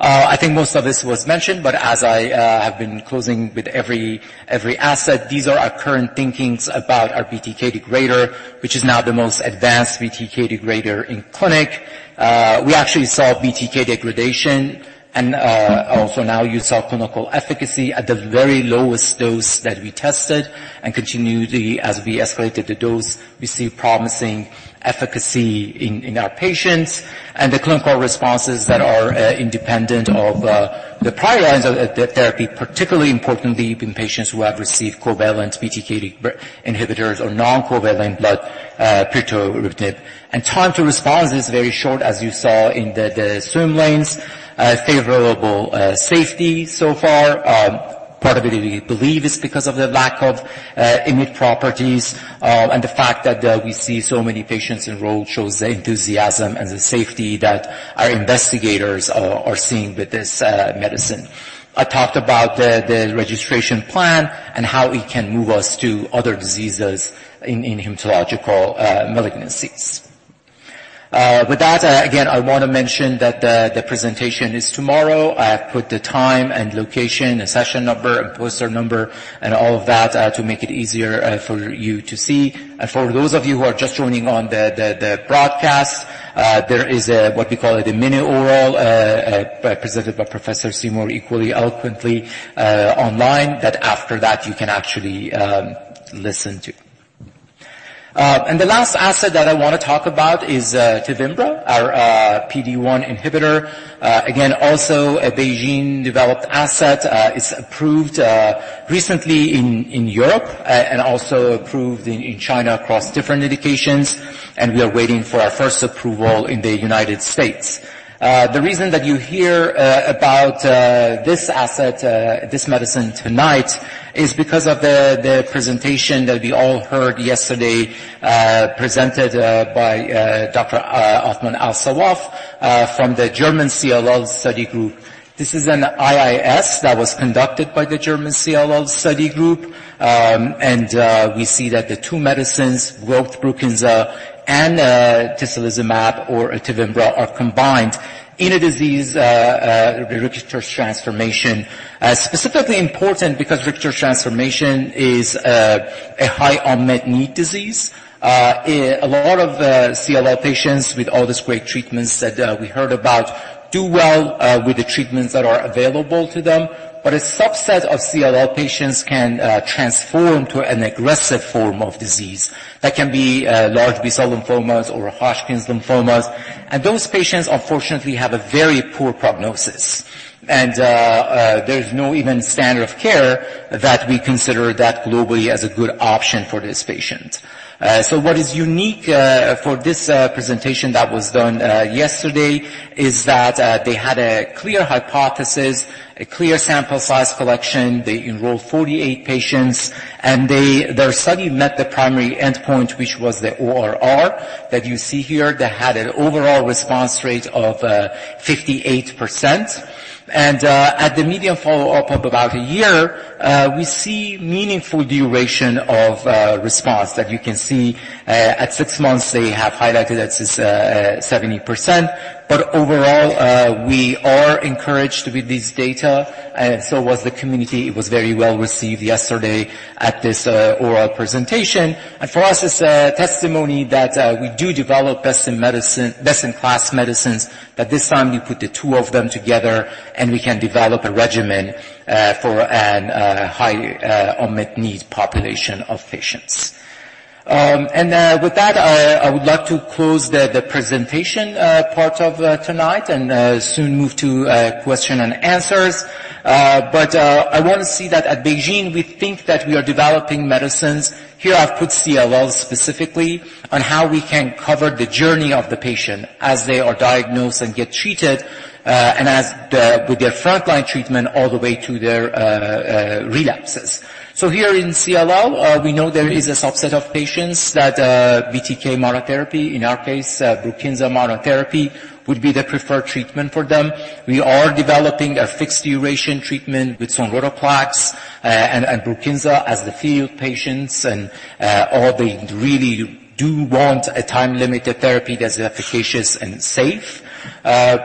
I think most of this was mentioned, but as I have been closing with every asset, these are our current thinkings about our BTK degrader, which is now the most advanced BTK degrader in clinic. We actually saw BTK degradation, and also now you saw clinical efficacy at the very lowest dose that we tested. And continually, as we escalated the dose, we see promising efficacy in our patients and the clinical responses that are independent of the prior lines of the therapy, particularly importantly in patients who have received covalent BTK inhibitors or non-covalent, but pirtobrutinib. And time to response is very short, as you saw in the swim lanes. Favorable safety so far, part of it we believe is because of the lack of IMiD properties. And the fact that we see so many patients enrolled shows the enthusiasm and the safety that our investigators are seeing with this medicine. I talked about the registration plan and how it can move us to other diseases in hematologic malignancies. With that, again, I want to mention that the presentation is tomorrow. I have put the time and location, the session number and poster number, and all of that, to make it easier for you to see. For those of you who are just joining on the broadcast, there is a, what we call it, a mini oral presented by Professor Seymour, equally eloquently online, that after that, you can actually listen to. The last asset that I want to talk about is Tevimbra, our PD-1 inhibitor. Again, also a Beijing-developed asset. It's approved recently in Europe, and also approved in China across different indications, and we are waiting for our first approval in the United States. The reason that you hear about this asset, this medicine tonight is because of the presentation that we all heard yesterday, presented by Dr. Othman Al-Sawaf from the German CLL Study Group. This is an IIS that was conducted by the German CLL Study Group. We see that the two medicines, both Brukinsa and tislelizumab or Tevimbra, are combined in a disease, Richter's transformation. Specifically important because Richter's transformation is a high unmet need disease. A lot of CLL patients with all these great treatments that we heard about do well with the treatments that are available to them, but a subset of CLL patients can transform to an aggressive form of disease that can be large B-cell lymphomas or Hodgkin's lymphomas, and those patients, unfortunately, have a very poor prognosis. There's no even standard of care that we consider that globally as a good option for these patients. So what is unique for this presentation that was done yesterday is that they had a clear hypothesis, a clear sample size collection. They enrolled 48 patients, and they. Their study met the primary endpoint, which was the ORR that you see here, that had an overall response rate of 58%. At the median follow-up of about a year, we see meaningful duration of response that you can see at six months, they have highlighted that as 70%. But overall, we are encouraged with this data, and so was the community. It was very well-received yesterday at this oral presentation. And for us, it's a testimony that we do develop best-in-medicine, best-in-class medicines, but this time we put the two of them together, and we can develop a regimen for an high unmet need population of patients. And with that, I would like to close the presentation part of tonight and soon move to Q&As. But I want to say that at BeiGene, we think that we are developing medicines. Here I've put CLL specifically on how we can cover the journey of the patient as they are diagnosed and get treated, and as with their frontline treatment all the way to their relapses. So here in CLL, we know there is a subset of patients that BTK monotherapy, in our case, Brukinsa monotherapy, would be the preferred treatment for them. We are developing a fixed duration treatment with sonrotoclax, and Brukinsa as the fit patients, and all they really do want a time-limited therapy that's efficacious and safe.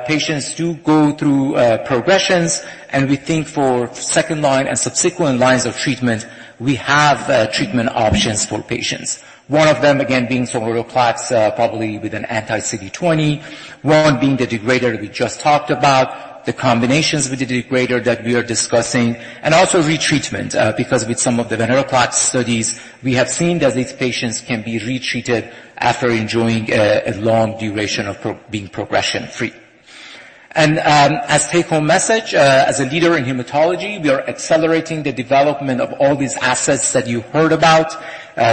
Patients do go through progressions, and we think for second line and subsequent lines of treatment, we have treatment options for patients. One of them, again, being sonrotoclax, probably with an anti-CD20, one being the degrader we just talked about, the combinations with the degrader that we are discussing, and also retreatment. Because with some of the venetoclax studies, we have seen that these patients can be retreated after enjoying a long duration of progression-free. As take-home message, as a leader in hematology, we are accelerating the development of all these assets that you've heard about.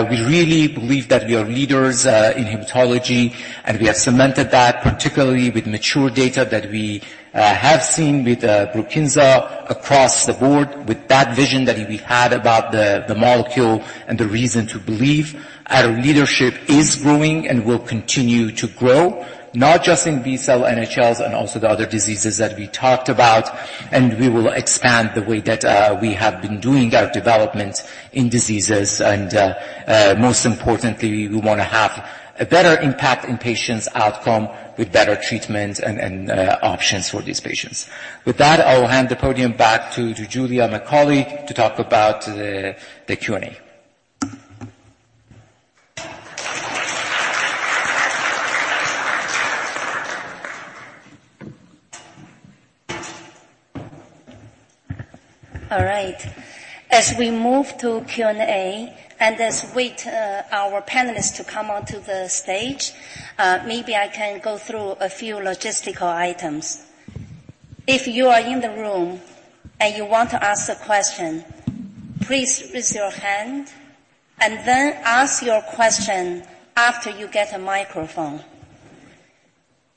We really believe that we are leaders in hematology, and we have cemented that, particularly with mature data that we have seen with Brukinsa across the board, with that vision that we had about the molecule and the reason to believe. Our leadership is growing and will continue to grow, not just in B-cell NHLs and also the other diseases that we talked about, and we will expand the way that we have been doing our development in diseases. Most importantly, we want to have a better impact in patients' outcome with better treatments and options for these patients. With that, I will hand the podium back to Julia McCauley to talk about the Q&A. All right. As we move to Q&A and as we wait, our panelists to come onto the stage, maybe I can go through a few logistical items. If you are in the room and you want to ask a question, please raise your hand and then ask your question after you get a microphone.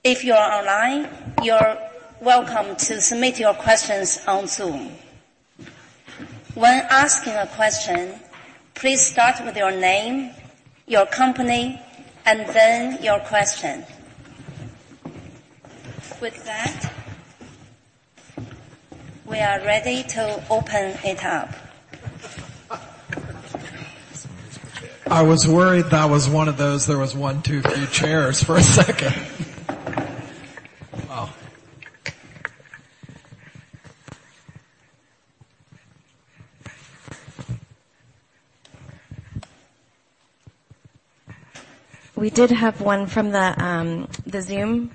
If you are online, you're welcome to submit your questions on Zoom. When asking a question, please start with your name, your company, and then your question. With that, we are ready to open it up. I was worried that was one of those, there was one, two, three chairs for a second. Wow! We did have one from the Zoom.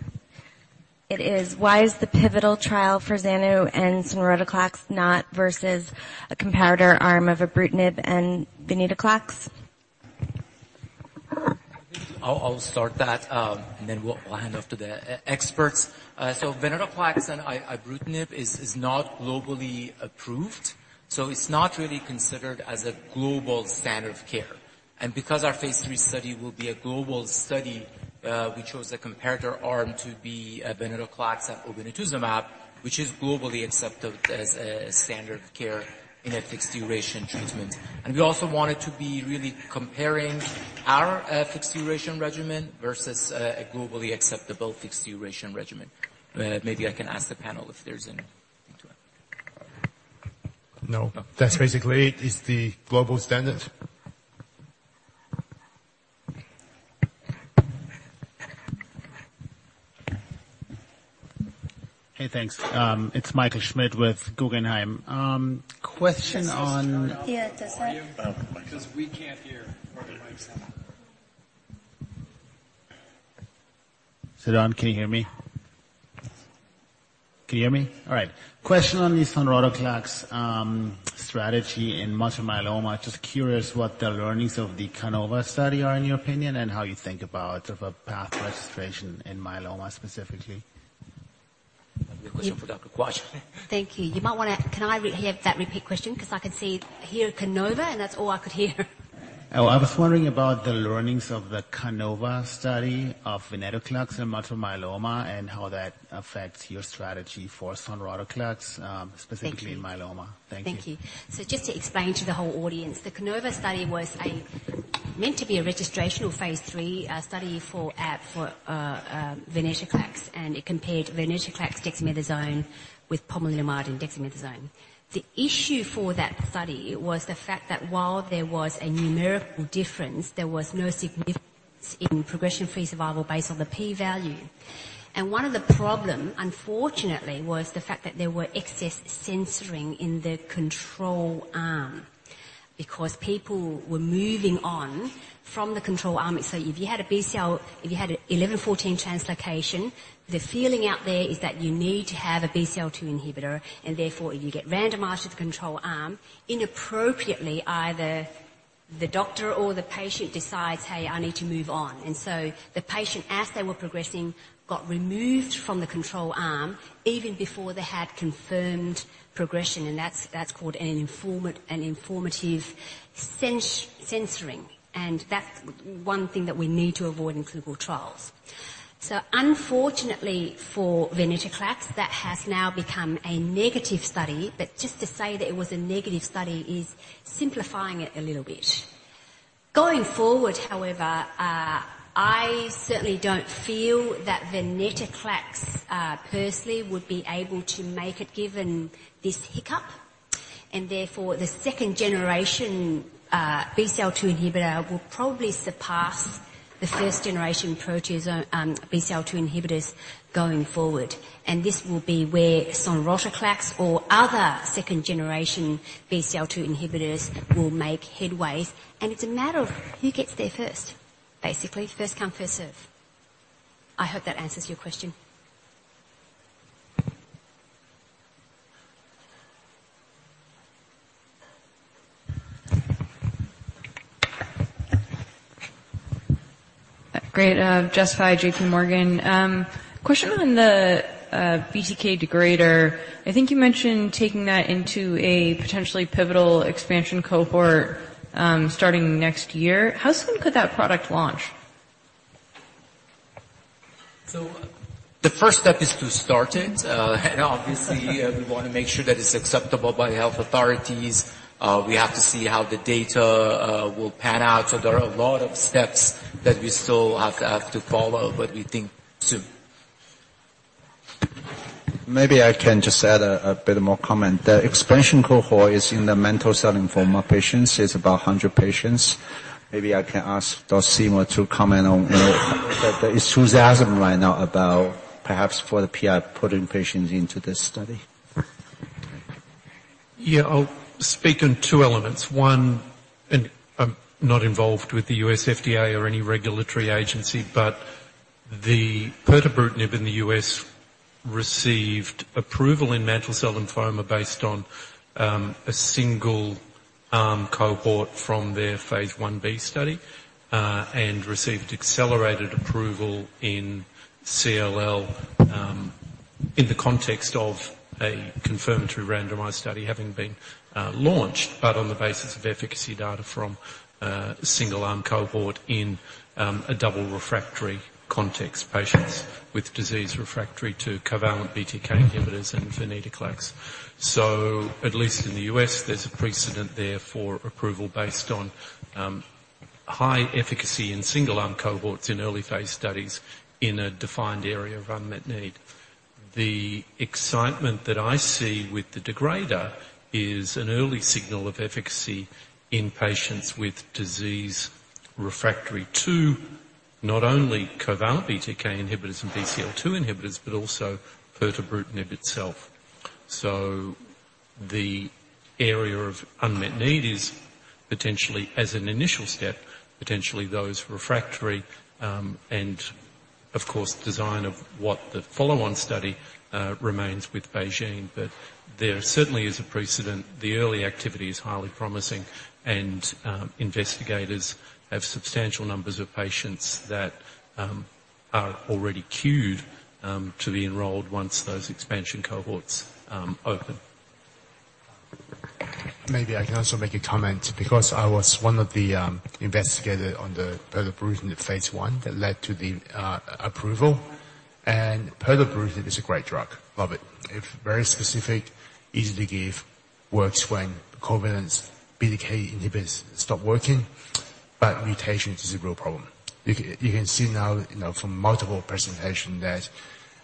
It is, Why is the pivotal trial for Zanu and sonrotoclax not versus a comparator arm of ibrutinib and venetoclax? I'll start that, and then we'll hand off to the experts. So venetoclax and ibrutinib is not globally approved, so it's not really considered as a global standard of care. Because our phase III study will be a global study, we chose a comparator arm to be venetoclax and obinutuzumab, which is globally accepted as a standard of care in a fixed duration treatment. We also wanted to be really comparing our fixed duration regimen versus a globally acceptable fixed duration regimen. Maybe I can ask the panel if there's anything to add. No, that's basically it, is the global standard. Hey, thanks. It's Michael Schmidt with Guggenheim. Question on... Yeah, it doesn't... Because we can't hear where the mic is at. Is it on? Can you hear me? Can you hear me? All right. Question on the sonrotoclax strategy in multiple myeloma. Just curious what the learnings of the CANOVA study are, in your opinion, and how you think about of a path to registration in myeloma, specifically? Good question for Dr. Quach. Thank you. You might wanna - can I hear that repeat question? Because I can see, hear CANOVA, and that's all I could hear. Oh, I was wondering about the learnings of the CANOVA study of venetoclax in multiple myeloma, and how that affects your strategy for sonrotoclax, specifically... Thank you. ...in myeloma. Thank you. Thank you. So just to explain to the whole audience, the CANOVA study was meant to be a registrational phase III study for venetoclax, and it compared venetoclax dexamethasone with pomalidomide and dexamethasone. The issue for that study was the fact that while there was a numerical difference, there was no significance in progression-free survival based on the p-value. And one of the problem, unfortunately, was the fact that there were excess censoring in the control arm because people were moving on from the control arm. So if you had a BCL, if you had an 11-14 translocation, the feeling out there is that you need to have a BCL-2 inhibitor, and therefore, if you get randomized to the control arm, inappropriately, either. The doctor or the patient decides, "Hey, I need to move on." And so the patient, as they were progressing, got removed from the control arm even before they had confirmed progression, and that's called an informative censoring, and that's one thing that we need to avoid in clinical trials. So unfortunately for venetoclax, that has now become a negative study, but just to say that it was a negative study is simplifying it a little bit. Going forward, however, I certainly don't feel that venetoclax personally would be able to make it, given this hiccup, and therefore, the second-generation BCL-2 inhibitor will probably surpass the first-generation proteasome BCL-2 inhibitors going forward. And this will be where sonrotoclax or other second-generation BCL-2 inhibitors will make headways, and it's a matter of who gets there first. Basically, first come, first served.I hope that answers your question. Great. Jessica, JP Morgan. Question on the BTK degrader. I think you mentioned taking that into a potentially pivotal expansion cohort, starting next year. How soon could that product launch? The first step is to start it. Obviously, we want to make sure that it's acceptable by health authorities. We have to see how the data will pan out. There are a lot of steps that we still have to follow, but we think soon. Maybe I can just add a bit more comment. The expansion cohort is in the mantle cell lymphoma patients. It's about 100 patients. Maybe I can ask Dr. Seymour to comment on the enthusiasm right now about perhaps for the PI putting patients into this study. Yeah, I'll speak on two elements. One, and I'm not involved with the U.S. FDA or any regulatory agency, but the pirtobrutinib in the US received approval in mantle cell lymphoma based on, a single arm cohort from their phase Ib study. And received accelerated approval in CLL, in the context of a confirmatory randomized study having been, launched, but on the basis of efficacy data from a single-arm cohort in, a double refractory context, patients with disease refractory to covalent BTK inhibitors and venetoclax. So at least in the US, there's a precedent there for approval based on, high efficacy in single-arm cohorts in early phase studies in a defined area of unmet need. The excitement that I see with the degrader is an early signal of efficacy in patients with disease refractory to not only covalent BTK inhibitors and BCL-2 inhibitors, but also pirtobrutinib itself. So the area of unmet need is potentially, as an initial step, potentially those refractory, and of course, design of what the follow-on study remains with BeiGene. But there certainly is a precedent. The early activity is highly promising, and investigators have substantial numbers of patients that are already queued to be enrolled once those expansion cohorts open. Maybe I can also make a comment because I was one of the investigators on the pirtobrutinib phase I that led to the approval. And pirtobrutinib is a great drug. Love it. It's very specific, easy to give, works when covalent BTK inhibitors stop working, but mutations is a real problem. You can, you can see now, you know, from multiple presentation, that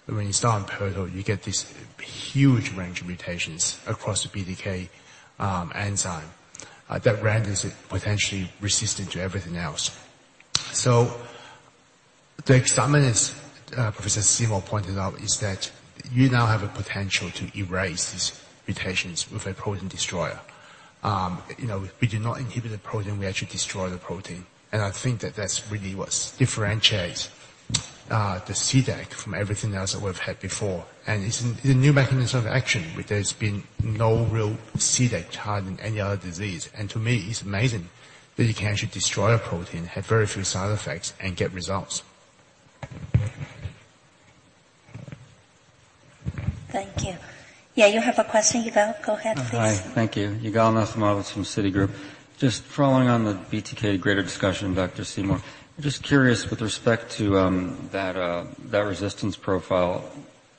when you start on pirto, you get this huge range of mutations across the BTK enzyme that renders it potentially resistant to everything else. So the excitement, as Professor Seymour pointed out, is that you now have a potential to erase these mutations with a protein destroyer. You know, we do not inhibit the protein, we actually destroy the protein, and I think that that's really what differentiates the CDAC from everything else that we've had before.It's a new mechanism of action, but there's been no real CDAC target in any other disease. To me, it's amazing that you can actually destroy a protein, have very few side effects, and get results. Thank you. Yeah, you have a question, Yigal? Go ahead, please. Hi. Thank you. Yigal Dov Nochomovitz from Citigroup. Just following on the BTK degrader discussion, Dr. Seymour, just curious with respect to that resistance profile,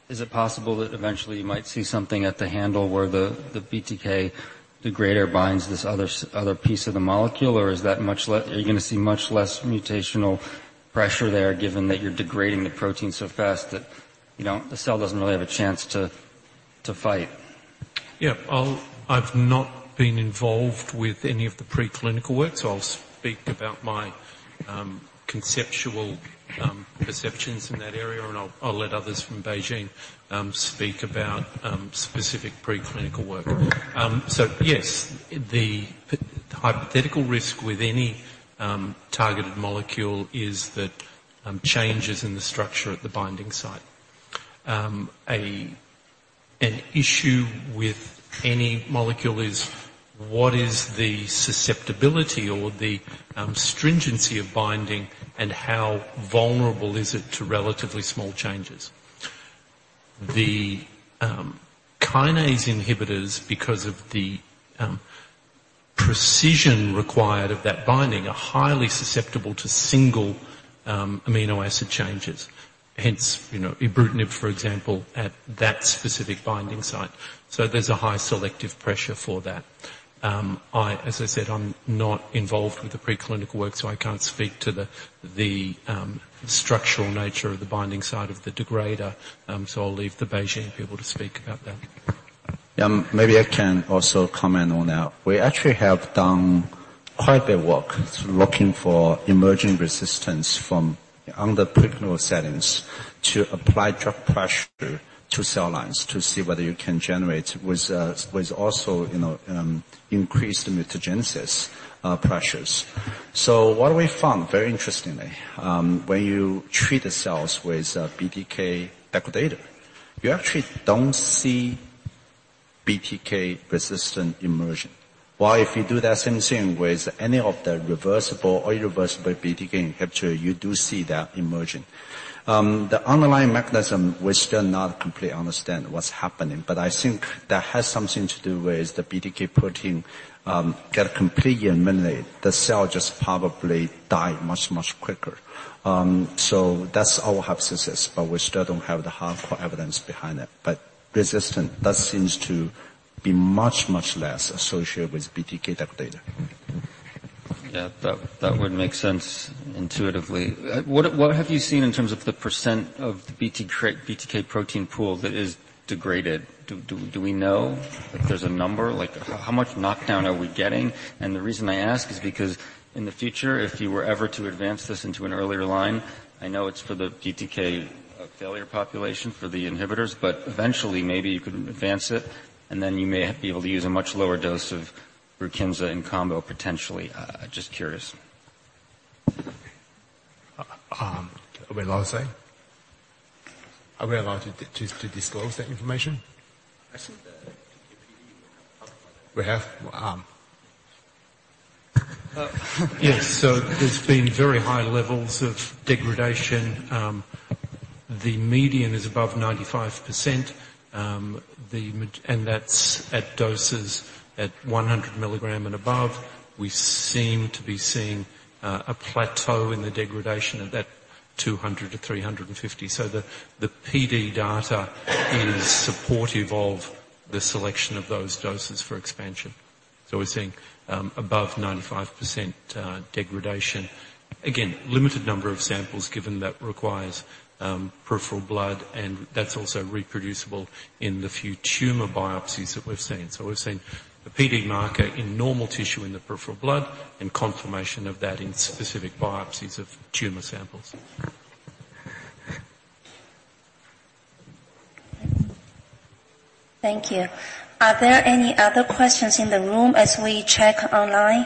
is it possible that eventually you might see something at the handle wherethe BTK degrader binds this other piece of the molecule, or is that much less. Are you going to see much less mutational pressure there, given that you're degrading the protein so fast that, you know, the cell doesn't really have a chance to fight? Yeah. I've not been involved with any of the preclinical work, so I'll speak about my conceptual perceptions in that area, and I'll let others from Beijing speak about specific preclinical work. So yes, the hypothetical risk with any targeted molecule is that changes in the structure at the binding site. An issue with any molecule is what is the susceptibility or the stringency of binding, and how vulnerable is it to relatively small changes? The kinase inhibitors, because of the precision required of that binding, are highly susceptible to single amino acid changes. Hence, you know, ibrutinib, for example, at that specific binding site. So there's a high selective pressure for that. As I said, I'm not involved with the preclinical work, so I can't speak to the structural nature of the binding side of the degrader. So I'll leave the Beijing people to speak about that. Maybe I can also comment on that. We actually have done quite a bit of work in looking for emerging resistance in preclinical settings to apply drug pressure to cell lines to see whether you can generate with also, you know, increased mutagenesis pressures. So what we found, very interestingly, when you treat the cells with BTK degrader, you actually don't see BTK-resistant emergence. While if you do that same thing with any of the reversible or irreversible BTK inhibitor, you do see that emerging. The underlying mechanism, we still not completely understand what's happening, but I think that has something to do with the BTK protein get completely eliminated. The cell just probably die much, much quicker. So that's our hypothesis, but we still don't have the hard core evidence behind it. But resistant, that seems to be much, much less associated with BTK degrader. Yeah, that would make sense intuitively. What have you seen in terms of the percent of the BTK protein pool that is degraded? Do we know if there's a number? Like, how much knockdown are we getting? And the reason I ask is because in the future, if you were ever to advance this into an earlier line, I know it's for the BTK failure population, for the inhibitors, but eventually, maybe you could advance it, and then you may be able to use a much lower dose of Brukinsa in combo, potentially. Just curious. Are we allowed to say? Are we allowed to disclose that information? I think the PD will have to talk about it. We have... Yes, so there's been very high levels of degradation. The median is above 95%. And that's at doses at 100 mg and above. We seem to be seeing a plateau in the degradation of that 200 mg-350 mg. So the PD data is supportive of the selection of those doses for expansion. So we're seeing above 95% degradation. Again, limited number of samples, given that requires peripheral blood, and that's also reproducible in the few tumor biopsies that we've seen. So we've seen a PD marker in normal tissue in the peripheral blood and confirmation of that in specific biopsies of tumor samples. Thank you. Are there any other questions in the room as we check online?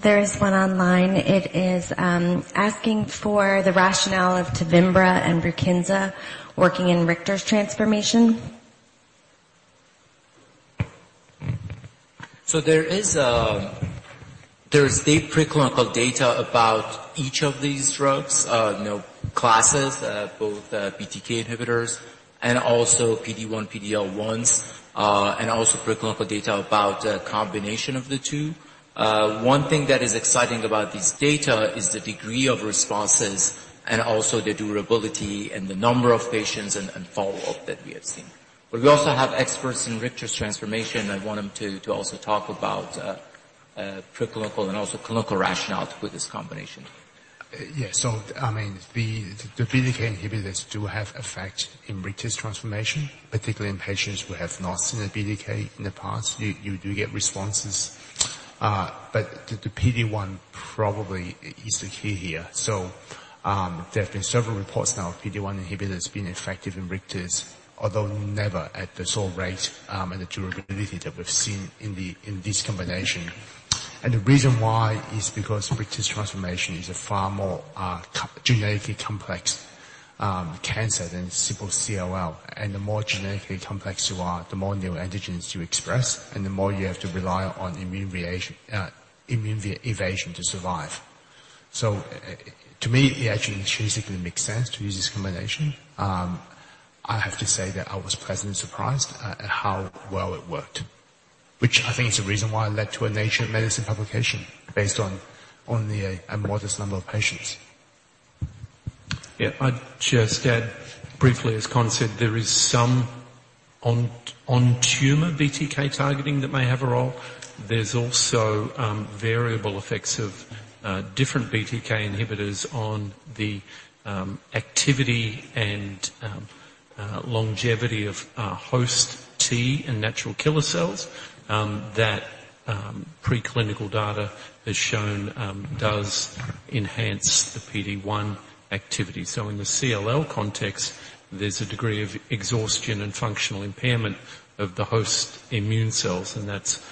There is one online. It is asking for the rationale of Tevimbra and Brukinsa working in Richter's transformation. So there is deep preclinical data about each of these drugs, you know, classes, both, BTK inhibitors and also PD-1, PD-L1s, and also preclinical data about a combination of the two. One thing that is exciting about this data is the degree of responses and also the durability and the number of patients and, and follow-up that we have seen. But we also have experts in Richter's transformation. I want them to also talk about, preclinical and also clinical rationale for this combination. Yeah. So I mean, the BTK inhibitors do have effect in Richter's transformation, particularly in patients who have not seen a BTK in the past. You do get responses, but the PD-1 probably is the key here. So, there have been several reports now of PD-1 inhibitors being effective in Richter's, although never at the sole rate and the durability that we've seen in this combination. And the reason why is because Richter's transformation is a far more genetically complex cancer than simple CLL. And the more genetically complex you are, the more neoantigens you express, and the more you have to rely on immune evasion to survive. So to me, it actually genetically makes sense to use this combination. I have to say that I was pleasantly surprised at how well it worked, which I think is the reason why it led to a Nature Medicine publication based on a modest number of patients. Yeah, I'd just add briefly, as Con said, there is some on-tumor BTK targeting that may have a role. There's also variable effects of different BTK inhibitors on the activity and longevity of host T and natural killer cells that preclinical data has shown does enhance the PD-1 activity. So in the CLL context, there's a degree of exhaustion and functional impairment of the host immune cells, and that's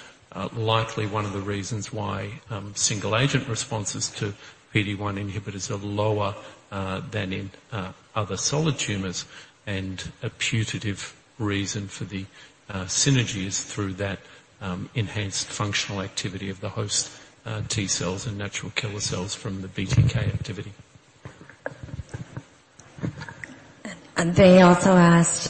likely one of the reasons why single-agent responses to PD-1 inhibitors are lower than in other solid tumors, and a putative reason for the synergies through that enhanced functional activity of the host T cells and natural killer cells from the BTK activity. And they also asked: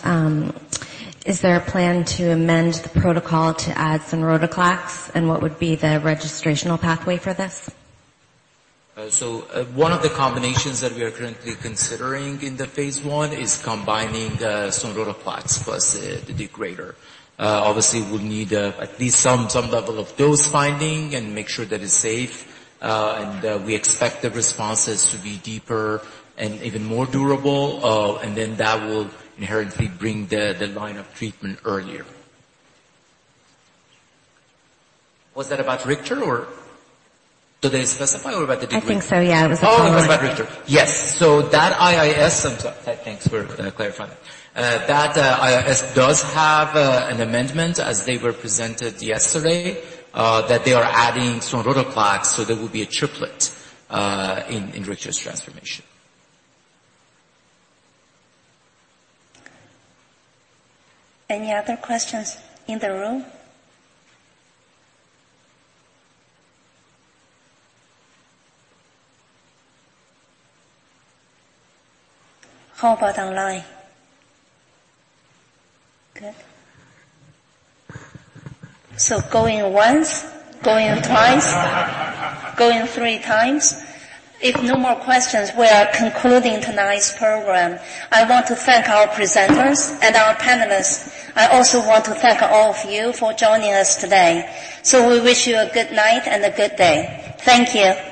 "Is there a plan to amend the protocol to add sonrotoclax, and what would be the registrational pathway for this? So, one of the combinations that we are currently considering in the phase I is combining the sonrotoclax plus the degrader. Obviously, we'll need at least some level of dose finding and make sure that it's safe, and we expect the responses to be deeper and even more durable, and then that will inherently bring the line of treatment earlier. Was that about Richter, or? Did they specify, or about the degree? I think so, yeah. Oh, it was about Richter. Yes. So that IIS - I'm sorry. Thanks for clarifying. That IIS does have an amendment, as they were presented yesterday, that they are adding sonrotoclax, so there will be a triplet in Richter's transformation. Any other questions in the room? How about online? Good. So going once, going twice. Going three times. If no more questions, we are concluding tonight's program. I want to thank our presenters and our panelists. I also want to thank all of you for joining us today. So we wish you a good night and a good day. Thank you.